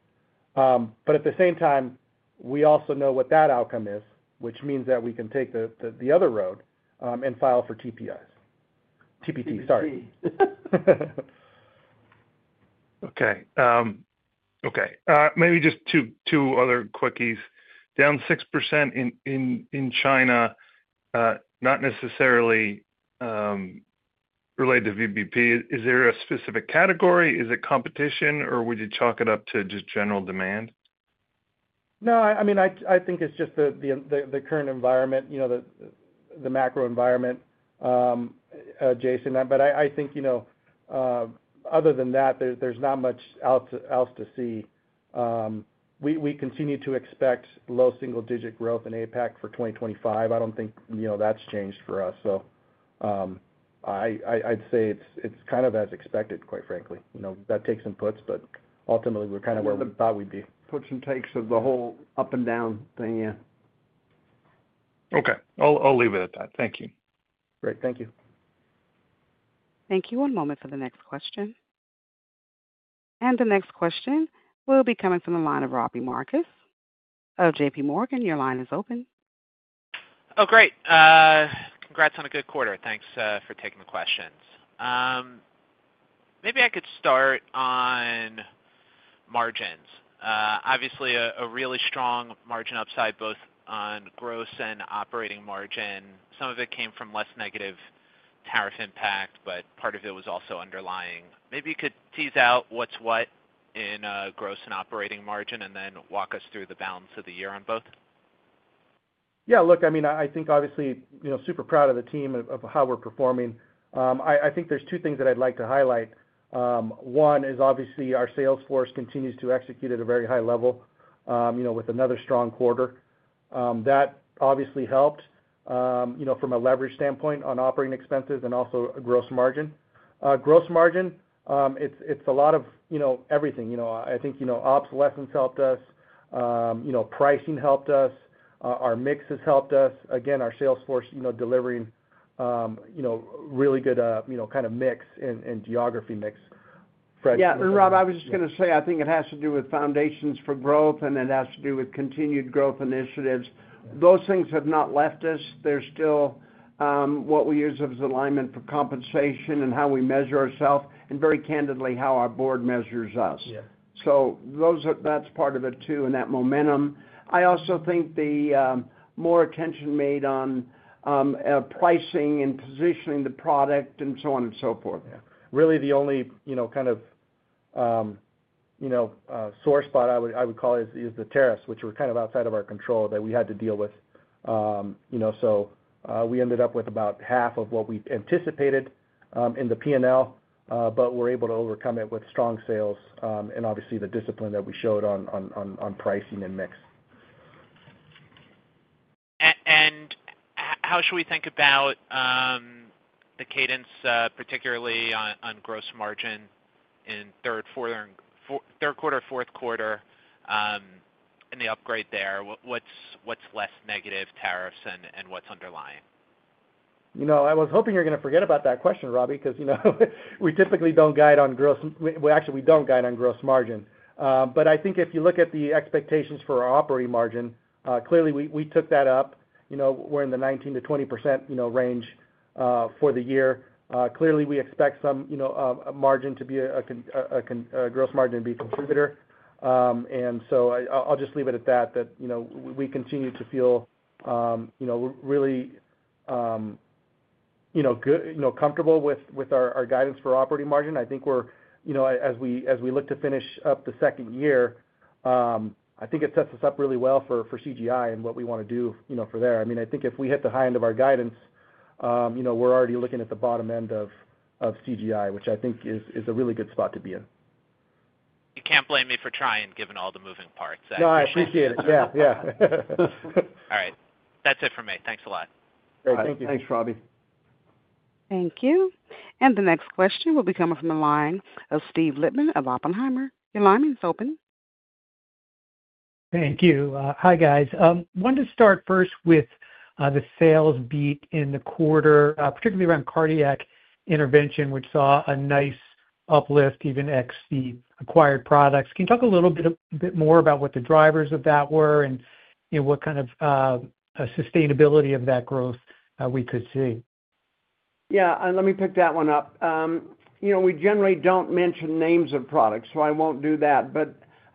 At the same time, we also know what that outcome is, which means that we can take the other road and file for TPT. Sorry. Okay, okay. Maybe just two other quickies, down 6% in China, not necessarily related to VPP. Is there a specific category? Is it competition or would you chalk it up to just general demand? No, I mean, I think it's just the current environment, the macro environment, Jason. Other than that there's not much else to see. We continue to expect low single digit growth in APAC for 2025. I don't think that's changed for us. I'd say it's kind of as expected, quite frankly. That takes some puts but ultimately we're kind of where puts and. Takes of the whole up and down thing. Yeah. Okay. I'll leave it at that. Thank you. Great. Thank you. Thank you. One moment for the next question. The next question will be coming from the line of Robbie Marcus, JPMorgan. Your line is open. Oh, great. Congrats on a good quarter. Thanks for taking the questions. Maybe I could start on margins. Obviously a really strong margin upside both on gross and operating margin. Some of it came from less negative tariff impact, but part of it was also underlying. Maybe you could tease out what's what in gross and operating margin and then walk us through the balance of the year on both. Yes, look, I mean I think obviously super proud of the team of how we're performing. I think there's two things that I'd like to highlight. One is obviously our sales force continues to execute at a very high level with another strong quarter that obviously helped from a leverage standpoint on operating expenses and also gross margin. Gross margin, it's a lot of everything. I think ops lessons helped us, pricing helped us, our mix has helped us again our sales force delivering really good kind of mix and geography mix. Fred? Yeah, Rob, I was just going to say I think it has to do with foundations for growth and it has to do with Continued Growth Initiatives. Those things have not left us. They're still what we use as alignment for compensation and how we measure ourselves and very candidly how our board measures us. That's part of it too. That momentum, I also think, the more attention made on pricing and positioning the product and so on and so forth. Really the only kind of sore spot I would call it is the tariffs, which were kind of outside of our control that we had to deal with, so we ended up with about half of what we anticipated in the P&L. We were able to overcome it with strong sales and obviously the discipline that we showed on pricing and mix. How should we think about the cadence, particularly on gross margin in third quarter, fourth quarter, and the upgrade there, what's less negative tariffs and what's underlying? I was hoping you were going to forget about that question, Robbie, because we typically don't guide on gross. Actually, we don't guide on gross margin. If you look at the expectations for our operating margin, clearly we took that up. We're in the 19%-20% range for the year. Clearly, we expect some margin to be gross margin to be a contributor. I'll just leave it at that, that we continue to feel really comfortable with our guidance for operating margin. As we look to finish up the second year, I think it sets us up really well for CGI and what we want to do for there. If we hit the high end of our guidance, we're already looking at the bottom end of CGI, which I think is a really good spot to be in. You can't blame me for trying, given all the moving parts. No, I appreciate it. Yeah. All right, that's it for me. Thanks a lot. Thanks, Robbie. Thank you. The next question will be coming from the line of Steve Lichtman of Oppenheimer. Your line is open. Thank you. Hi, guys. Wanted to start first with the sales beat in the quarter, particularly around cardiac intervention, which saw a nice uplift even excluding the acquired products. Can you talk a little bit more about what the drivers of that were and what kind of sustainability of that growth we could see? Yeah, let me pick that one up. You know, we generally don't mention names of products, so I won't do that.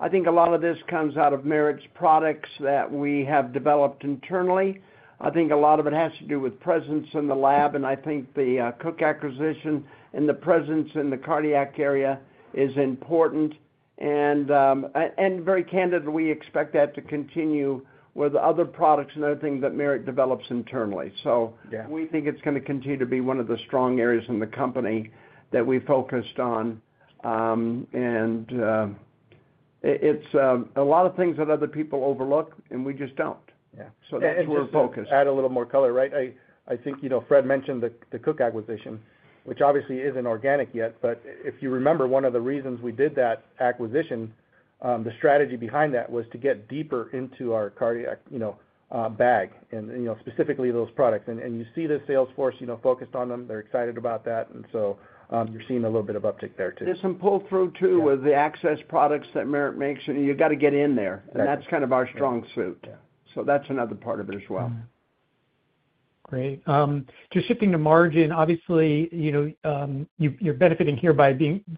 I think a lot of this comes out of Merit’s products that we have developed internally. I think a lot of it has to do with presence in the lab. I think the Cook acquisition and the presence in the cardiac area is important. Very candidly, we expect that to continue with other products and other things that Merit develops internally. We think it's going to continue to be one of the strong areas in the company that we focused on. It's a lot of things that other people overlook and we just don't. That's where focus, add a little more color. Right. I think, you know, Fred mentioned the Cook Medical acquisition, which obviously isn't organic yet. If you remember, one of the reasons we did that acquisition, the strategy behind that was to get deeper into our cardiac bag and specifically those products, and you see the sales force focused on them. They're excited about that, and you're seeing a little bit of uptick there, too. There's some pull through, too, with the access products that Merit makes. You got to get in there, and that's kind of our strong suit. That's another part of it as well. Great. Just shifting to margin. Obviously, you're benefiting here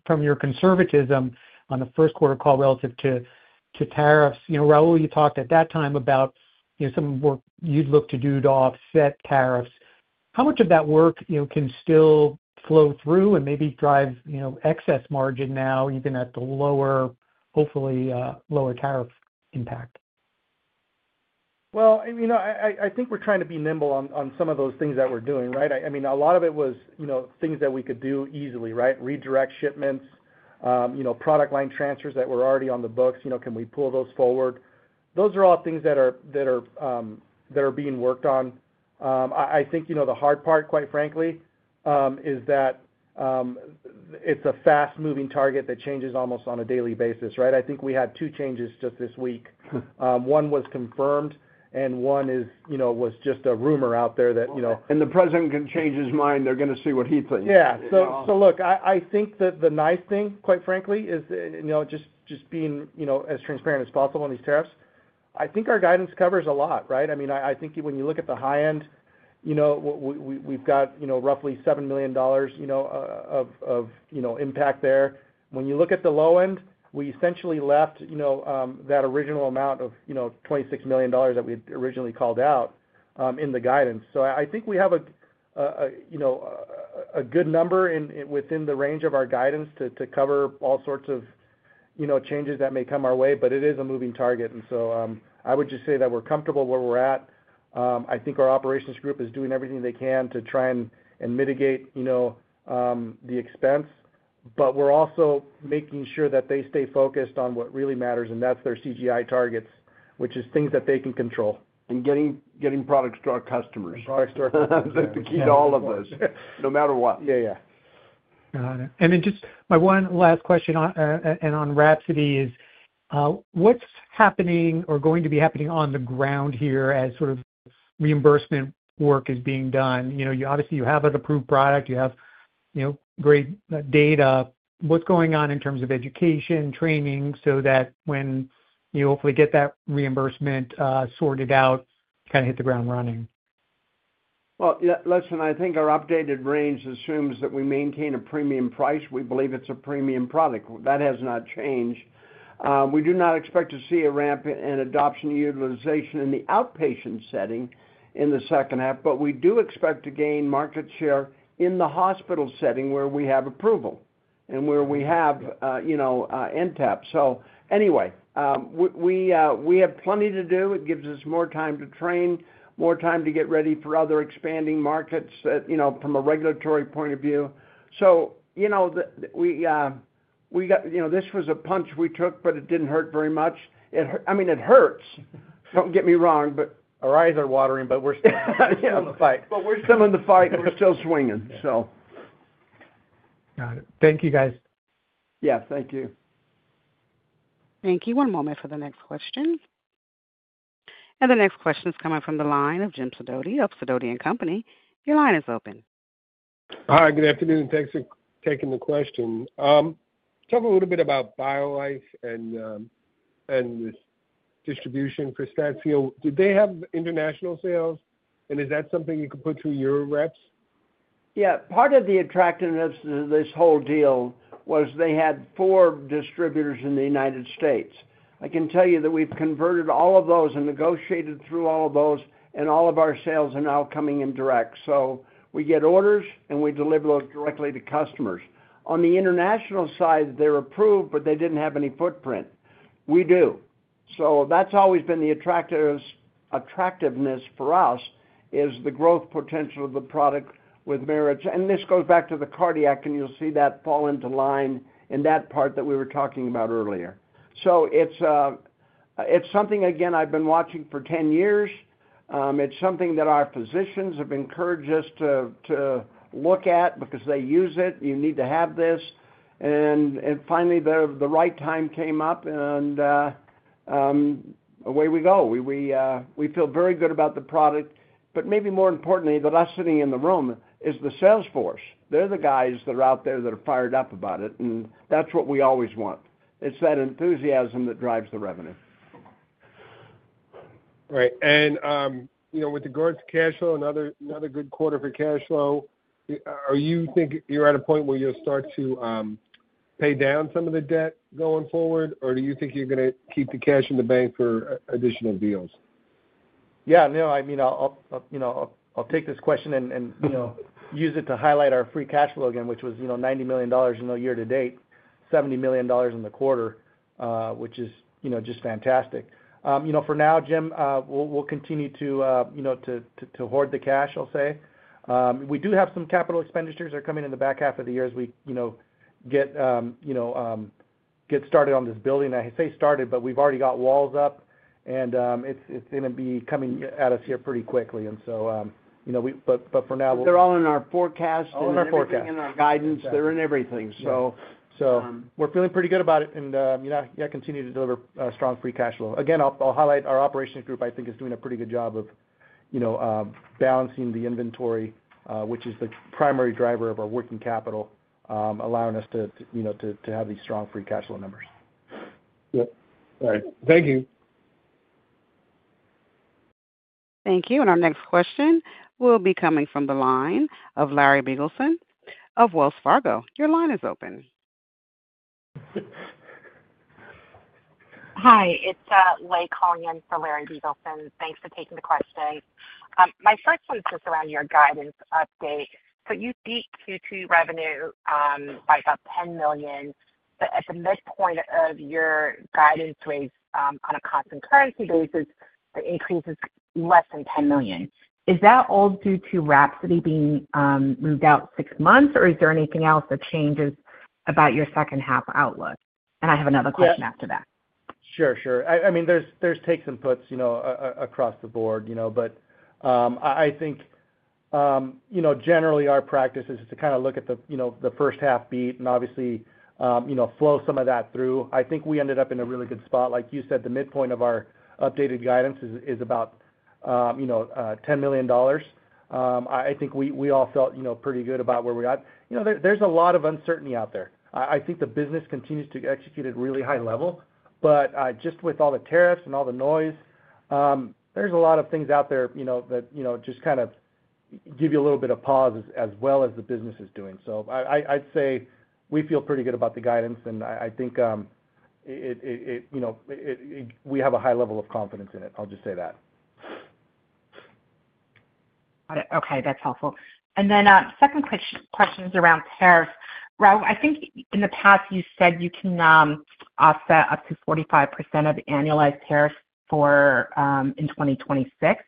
from your conservatism on the first quarter call relative to tariffs. You know, Raul, you talked at that time about some work you'd look to do to offset tariffs. How much of that work can still flow through and maybe drive excess margin now, even at the lower, hopefully lower tariff impact? I think we're trying to be nimble on some of those things that we're doing. Right. I mean, a lot of it was things that we could do easily. Right. Redirect shipments, product line transfers that were already on the books. Can we pull those forward? Those are all things that are being worked on. I think the hard part, quite frankly, is that it's a fast moving target that changes almost on a daily basis. Right. I think we had two changes just this week. One was confirmed and one is, you know, was just a rumor out there. You know, the President can change his mind. They're going to see what he thinks. I think that. The nice thing, quite frankly, is just being as transparent as possible on these tariffs. I think our guidance covers a lot, right. I mean, I think when you look at the high end, we've got roughly $7 million of impact there. When you look at the low end, we essentially left that original amount of $26 million that we had originally called out in the guidance. I think we have a good number within the range of our guidance to cover all sorts of changes that may come our way. It is a moving target. I would just say that we're comfortable where we're at. I think our operations group is doing everything they can to try and mitigate the expense, but we're also making sure that they stay focused on what really matters, and that's their CGI targets, which is things that they can control. Getting products to our customers. All of this, no matter what. Got it. My one last question on WRAPSODY is what's happening or going to be happening on the ground here as reimbursement work is being done. You have an approved product, you have great data, what's going on in terms of education, training, so that when you hopefully get that reimbursement sorted out, kind of hit the ground running. I think our updated range assumes that we maintain a premium price. We believe it's a premium product. That has not changed. We do not expect to see a ramp in adoption utilization in the outpatient setting in the second half, but we do expect to gain market share in the hospital setting where we have approval and where we have, you know, NTAP. We have plenty to do. It gives us more time to train, more time to get ready for other expanding markets, you know, from a regulatory point of view. We got, you know, this was a punch we took, but it didn't hurt very much. I mean, it hurts, don't get me. Our eyes are watering. We're still in the fight. We are still in the fight. We are still swinging. Got it. Thank you, guys. Thank you. Thank you. One moment for the next question. The next question is coming from the line of Jim Sidoti of Sidoti & Company. Your line is open. Hi, good afternoon. Thanks for taking the question. Talk a little bit about Biolife and distribution for StatSeal. Did they have international sales, and is? that something you can put through your reps? Yeah. Part of the attractiveness of this whole deal was they had four distributors in the U.S. I can tell you that. We've converted all of those and negotiated through all of those, and all of our sales are now coming in direct. We get orders and we deliver those directly to customers. On the international side, they're approved, but they didn't have any footprint. We do. That's always been the attractiveness for us, the growth potential of the product with Merit. This goes back to the cardiac, and you'll see that fall into line in that part that we were talking about earlier. It's something I've been watching for 10 years. It's something that our physicians have encouraged us to look at because they use it. You need to have this. Finally, the right time came up. Away we go. We feel very good about the product, but maybe more importantly, that us sitting in the room is the sales force. They're the guys that are out there that are fired up about it, and that's what we always want. It's that enthusiasm that drives the revenue. Right. With regards to cash flow, another good quarter for cash flow. Are you think you're at a point where you'll start to pay down some of the debt going forward, or do you think you're going to keep the cash in the bank for additional deals? Yeah. No. I mean, I'll take this question and use it to highlight our free cash flow again, which was $90 million year-to-date, $70 million in the quarter, which is just fantastic. For now, Jim, we'll continue to hoard the cash. I'll say we do have some capital expenditures that are coming in the back half of the year as we. Get. Started on this building. I say started, but we've already got walls up, and it's going to be coming at us here pretty quickly. For now, they're all in our forecast guidance. They're in everything. We're feeling pretty good about it and continue to deliver strong free cash flow. I'll highlight our operations group, I think is doing a pretty good job of balancing the inventory, which is the primary driver of our working capital, allowing us to have these strong free cash flow numbers. Thank you. Thank you. Our next question will be coming from the line of Larry Biegelsen of Wells Fargo. Your line is open. Hi, it's Lei calling in for Larry Biegelsen. Thanks for taking the question. My first one is just around your guidance update. You beat Q2 revenue by about $10 million, but at the midpoint of your guidance rates on a constant currency basis, the increase is less than $10 million. Is that all due to WRAPSODY being moved out six months, or is there anything else that changes about your second half outlook? I have another question after that. Sure. I mean, there's takes and puts across the board, but I think generally our practice is to kind of look at the first half beat and obviously flow some of that through. I think we ended up in a really good spot. Like you said, the midpoint of our updated guidance is about $10 million. I think we all felt pretty good about where we got. There's a lot of uncertainty out there. I think the business continues to execute at a really high level, but just with all the tariffs and all the noise, there's a lot of things out there that just kind of give you a little bit of pause as well as the business is doing. I'd say we feel pretty good about the guidance and I think we have a high level of confidence in it. I'll just say that. Okay, that's helpful. Second question is around tariffs. Raul, I think in the past you said you can offset up to 45% of annualized tariffs for 2026.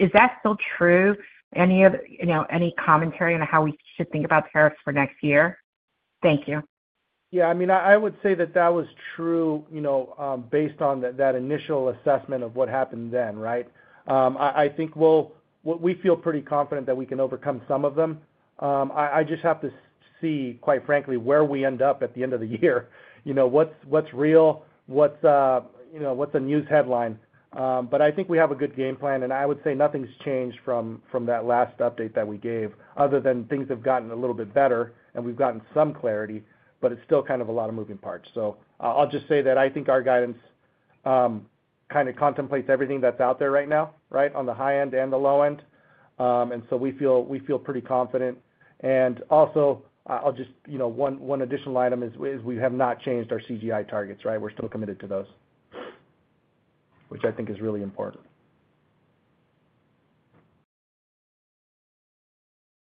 Is that still true? Any commentary on how we should think about tariffs for next year? Thank you. I would say that that was true, you know, based on that initial assessment of what happened then. I think we feel pretty confident that we can overcome some of them. I just have to see, quite frankly, where we end up at the end of the year, you know, what's real, what's a news headline. I think we have a good game plan, and I would say nothing's changed from that last update that we gave, other than things have gotten a little bit better and we've gotten some clarity, but it's still kind of a lot of moving parts. I'll just say that I think our guidance kind of contemplates everything that's out there right now, on the high end and the low end, and we feel pretty confident. Also, I'll just, you know, one additional item is we have not changed our CGI targets. We're still committed to those, which I think is really important.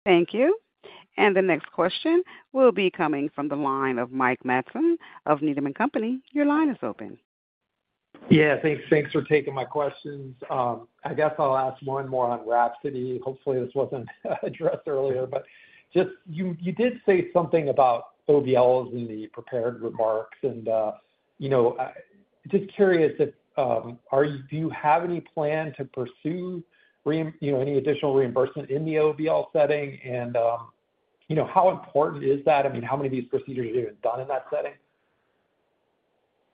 Thank you. The next question will be coming from the line of Mike Matson of Needham & Company. Your line is open. Yeah, thanks for taking my questions. I guess I'll ask one more on WRAPSODY. Hopefully this wasn't addressed earlier, but you did say something about OBLs in the prepared remarks. Just curious if you have any plan to pursue any additional reimbursement in the OBL setting. How important is that? I mean, how many of these procedures are even done in that setting?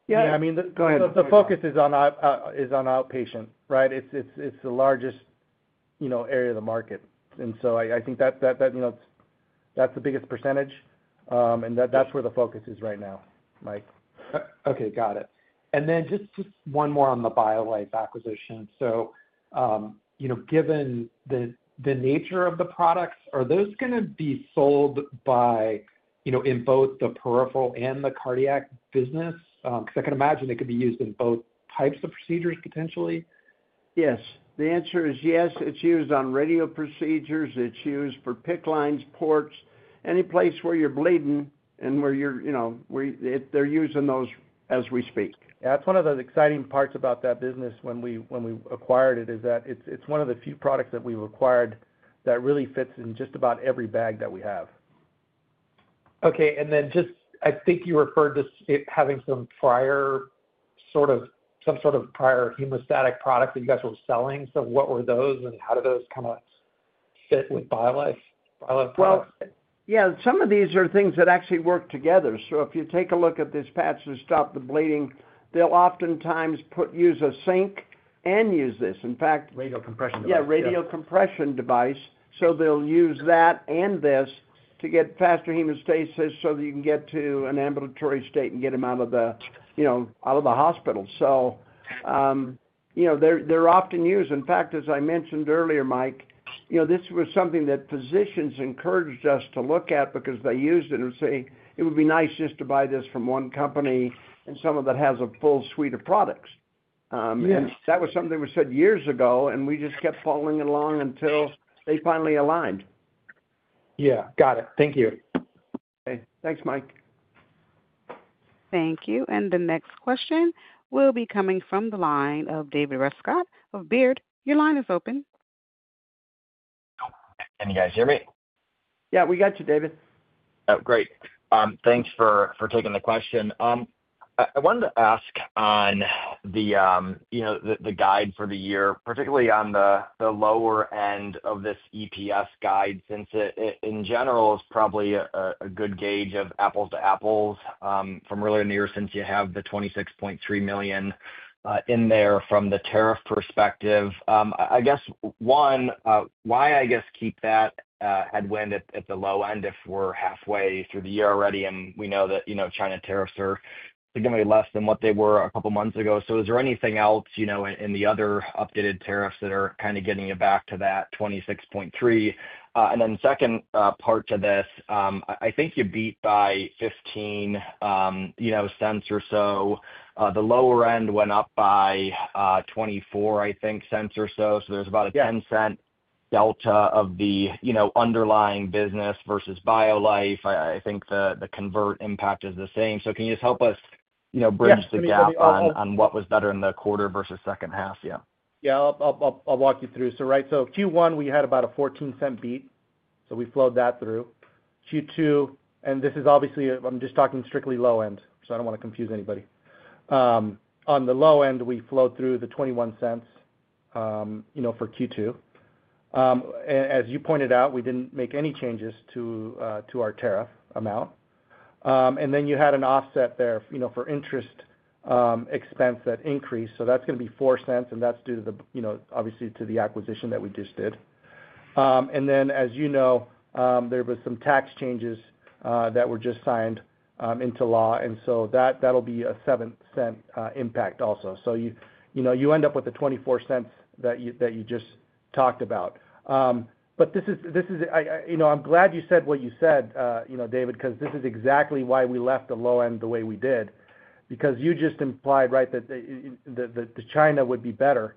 The focus is on outpatient. It's the largest area of the market, and I think that's the biggest percentage. That's where the focus is right now, Mike. Okay, got it. Just one more on the Biolife acquisition. Given the nature of the products, are those going to be sold in both the peripheral and the cardiac business? I can imagine it could be used in both types of procedures, potentially. Yes, the answer is yes. It's used on radio procedures. It's used for PICC lines, ports, any place where you're bleeding and where they're using those as we speak. That's one of the exciting parts about that business when we acquired it, is that it's one of the few products that we acquired that really fits in just about every bag that we have. I think you referred to it having some sort of prior hemostatic product that you guys were selling. What were those and how did those kind of fit with products? Some of these are things that actually work together. If you take a look at this patch to stop the bleeding, they'll oftentimes use a sink and use this in fact. Radial compression device. Yeah, radial compression device. They'll use that and this to get faster hemostasis so that you can get to an ambulatory state and get them out of the hospital. They're often used. In fact, as I mentioned earlier, Mike, this was something that physicians encouraged us to look at because they used it and say it would be nice just to buy this from one company and some of it has a full suite of products. That was something we said years ago and we just kept following along until they finally aligned. Yeah, got it. Thank you. Thanks, Mike. Thank you. The next question will be coming from the line of David Rescott of Baird. Your line is open. Can you guys hear me? Yeah, we got you, David. Great. Thanks for taking the question. I wanted to ask on the guide for the year, particularly on the lower end of this EPS guide, since in general it is probably a good gauge of apples to apples from earlier in the year since you have the $26.3 million in there from the tariff perspective. I guess one, why keep that headwind at the low end if we're halfway through the year already and we know that China tariffs are significantly less than what they were a couple months ago. Is there anything else in the other updated tariffs that are kind of getting you back to that $26.3 million? The second part to this, I think you beat by $0.15 or so. The lower end went up by $0.24, I think, or so. There is about a $0.10 delta of the underlying business versus Biolife. I think the convert impact is the same. Can you just help us, you. Bridge the gap on what was better in the quarter versus second half? Yeah, I'll walk you through. Q1, we had about a $0.14 beat, so we flowed that through Q2 and this is obviously, I'm just talking strictly low end, so I don't want to confuse anybody. On the low end, we flow through the $0.21. For Q2, as you pointed out, we didn't make any changes to our tariff amount and then you had an offset there for interest expense that increased. That's going to be $0.04 and that's due to the acquisition that we just did. As you know, there were some tax changes that were just signed into law. That will be a $0.07 impact also. You end up with the $0.24 that you just talked about. I'm glad you said what you said, David, because this is exactly why we left the low end the way we did. You just implied that China would be better.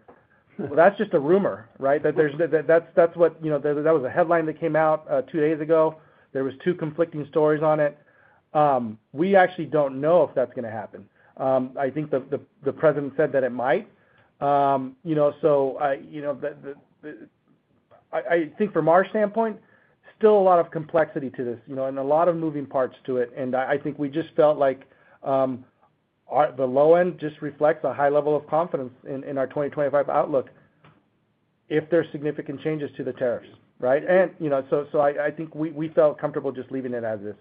That's just a rumor. That was a headline that came out two days ago. There were two conflicting stories on it. We actually don't know if that's going to happen. I think the president said that it might, so I think from our standpoint, still a lot of complexity to this and a lot of moving parts to it. I think we just felt like the low end reflects a high level of confidence in our 2025 outlook if there's significant changes to the tariffs. I think we felt comfortable just leaving it as is.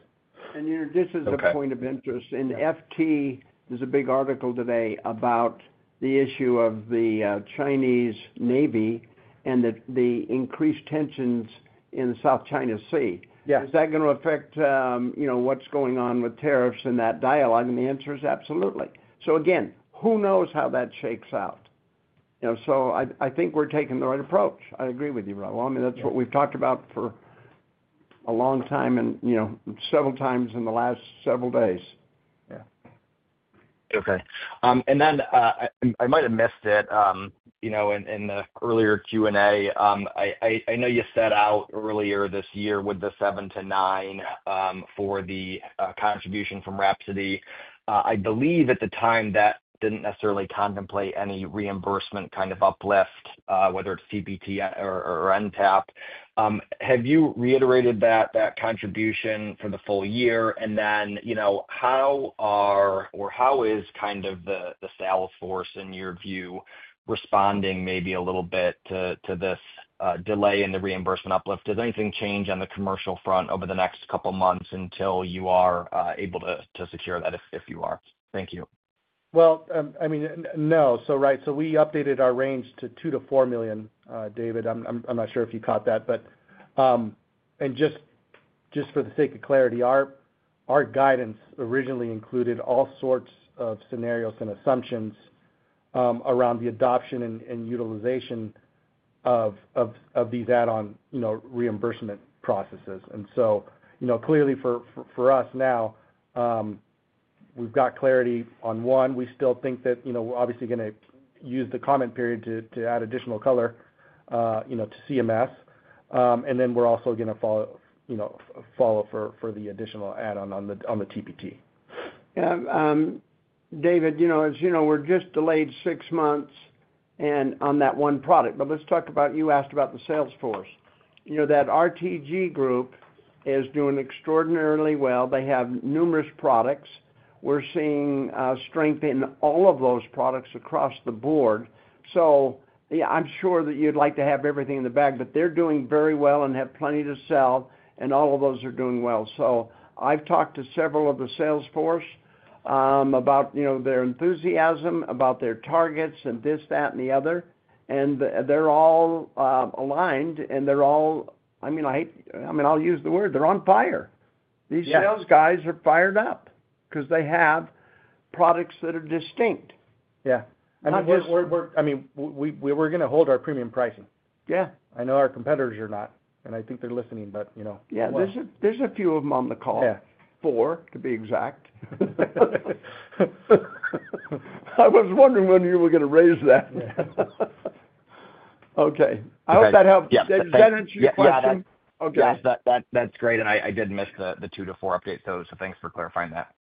This is a point of interest in FT. There's a big article today about the issue of the Chinese Navy and the increased tensions in the South China Sea. Yes. Is that going to affect, you know, what's going on with tariffs in that dialogue? The answer is absolutely. Who knows how that shakes out. I think we're taking the right approach. I agree with you, Raul. I mean that's what we've talked about for a long time and severalx in the last several days. Okay. I might have missed it in the earlier Q&A. I know you set out earlier this year with the $7 million-$9 million for the contribution from WRAPSODY. I believe at the time that didn't necessarily contemplate any reimbursement kind of uplift, whether it's CPT or NTAP. Have you reiterated that contribution for the full year and then, you know, how are or how is kind of the salesforce in your view responding maybe a little bit to this delay in the reimbursement uplift? Does anything change on the commercial front over the next couple months until you are able to secure that, if you are? Thank you. No. Right. We updated our range to $2 million-$4 million. David, I'm not sure if you caught that, but just for the sake of clarity, our guidance originally included all sorts of scenarios and assumptions around the adoption and utilization of these add-on reimbursement processes. Clearly for us now we've got clarity on one. We still think that we're obviously going to use the comment period to add additional color to CMS and then we're also going to follow for the additional add-on on the TPT. David, as you know, we're just delayed six months on that one product. Let's talk about, you asked about the sales force that the Renal Therapies Group is doing extraordinarily well. They have numerous products. We're seeing strength in all of those products across the board. I'm sure that you'd like to. Have everything in the bag. They are doing very well and have plenty to sell, and all of those are doing well. I have talked to several of the sales force about their enthusiasm, about their targets, and this, that, and the other. They are all aligned and they are all, I mean, I hate, I mean I'll. Use the word, they're on fire. These sales guys are fired up because they have products that are distinct. Yeah, I mean we're going to hold our premium pricing. I know our competitors are not, and I think they're listening, but you know. Yeah, there's a few of them on the call. Four to be exact. I was wondering whether you were going to raise that. Okay, I hope that helps. Does that answer your question? That's great. I did miss the 2 to 4 update, so thanks for clarifying that.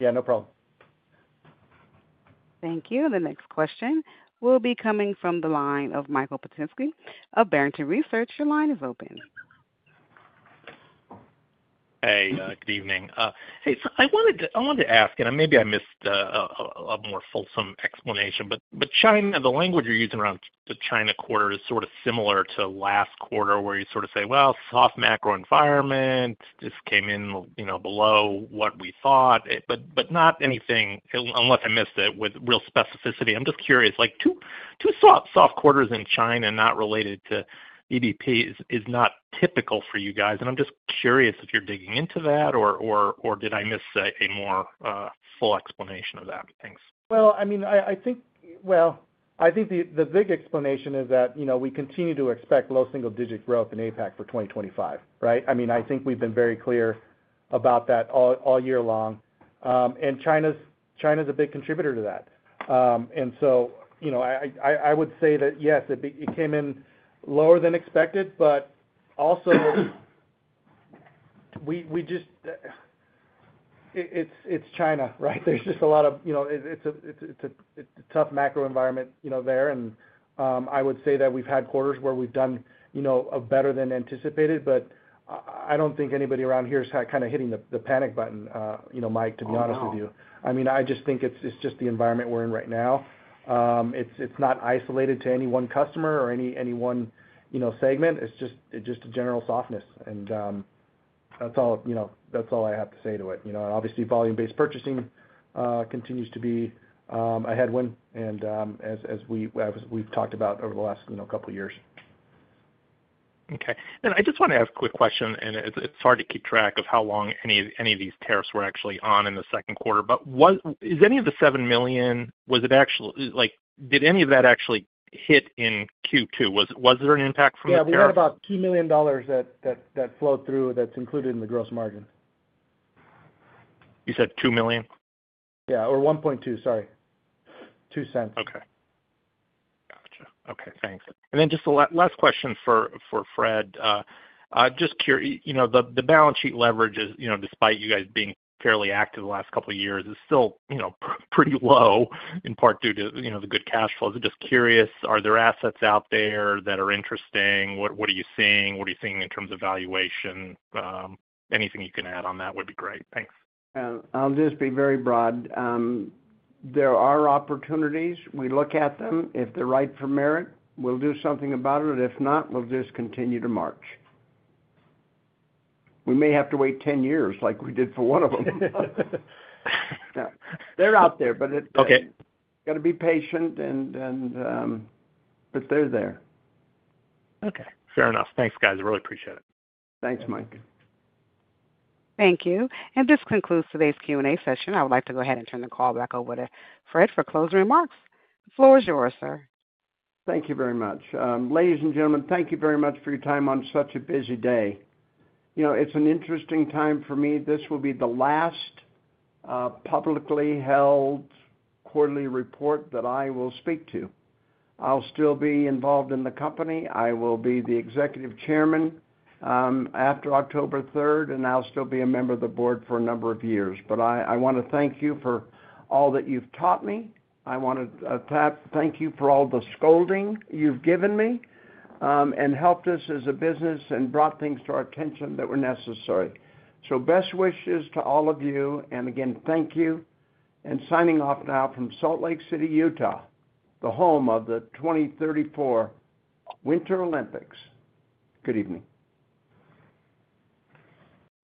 Yeah, no problem. Thank you. The next question will be coming from the line of Michael Petusky of Barrington Research. Your line is open. Hey, good evening. I wanted to ask, and maybe I missed a more fulsome explanation, but China, the language you're using around the China quarter is sort of similar to last quarter where you sort of say, soft macro environment just came in below what we thought but not anything unless I missed it with real specificity. I'm just curious. Like two soft quarters in China not related to EBP is not typical for you guys. I'm just curious if you're digging into that or did I miss a more full explanation of that. Thanks. I think the big explanation is that we continue to expect low single digit growth in APAC for 2025. I think we've been very clear about that all year long and China's a big contributor to that. I would say that yes, it came in lower than expected but also we just, it's China. There's just a lot of, you know, it's a tough macro environment there. I would say that we've had quarters where we've done better than anticipated. I don't think anybody around here is kind of hitting the panic button, Mike, to be honest with you. I just think it's just the environment we're in right now. It's not isolated to any one customer or any one segment. It's just a general softness. That's all I have to say to it. Obviously, volume based purchasing continues to be a headwind as we've talked about over the last couple years. Okay. I just want to ask a quick question. It's hard to keep track of how long any of these tariffs were actually on in the second quarter. Is any of the $7 million, was it actually like, did any of that actually hit in Q2? Was there an impact from that? Yeah, we had about $2 million that flowed through. That's included in the gross margin. You said $2 million? Yeah. Or $1.2 million. Sorry, $0.02. Okay, gotcha. Okay, thanks. Then just last question for Fred. Just curious. The balance sheet leverage, despite you guys being fairly active the last couple years, is still pretty low in part due to the good cash flows. I'm just curious, are there assets out there that are interesting? What are you seeing? What are you seeing in terms of valuation? Anything you can add on that would be great. Thanks. I'll just be very broad. There are opportunities. We look at them. If they're right for Merit, we'll do something about it. If not, we'll just continue to march. We may have to wait 10 years like we did for one of them. They're out there. Okay. Got to be patient. They're there. Okay, fair enough. Thanks, guys. I really appreciate it. Thanks, Mike. Thank you. This concludes today's Q&A session. I would like to go ahead and turn the call back over to Fred for closing remarks. The floor is yours, sir. Fred, thank you very much, ladies and gentlemen. Thank you very much for your time on such a busy day. You know, it's an interesting time for me. This will be the last publicly held quarterly report that I will speak to. I'll still be involved in the company. I will be the Executive Chairman after October 3rd, and I'll still be a member of the board for a number of years. I want to thank you for all that you've taught me. I want to thank you for all the scolding you've given me and helped us as a business and brought things through our attention that were necessary. Best wishes to all of you, and again, thank you. Signing off now from Salt Lake City, Utah, the home of the 2034 Winter Olympics. Good evening.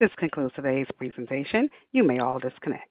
This concludes today's presentation. You may all disconnect.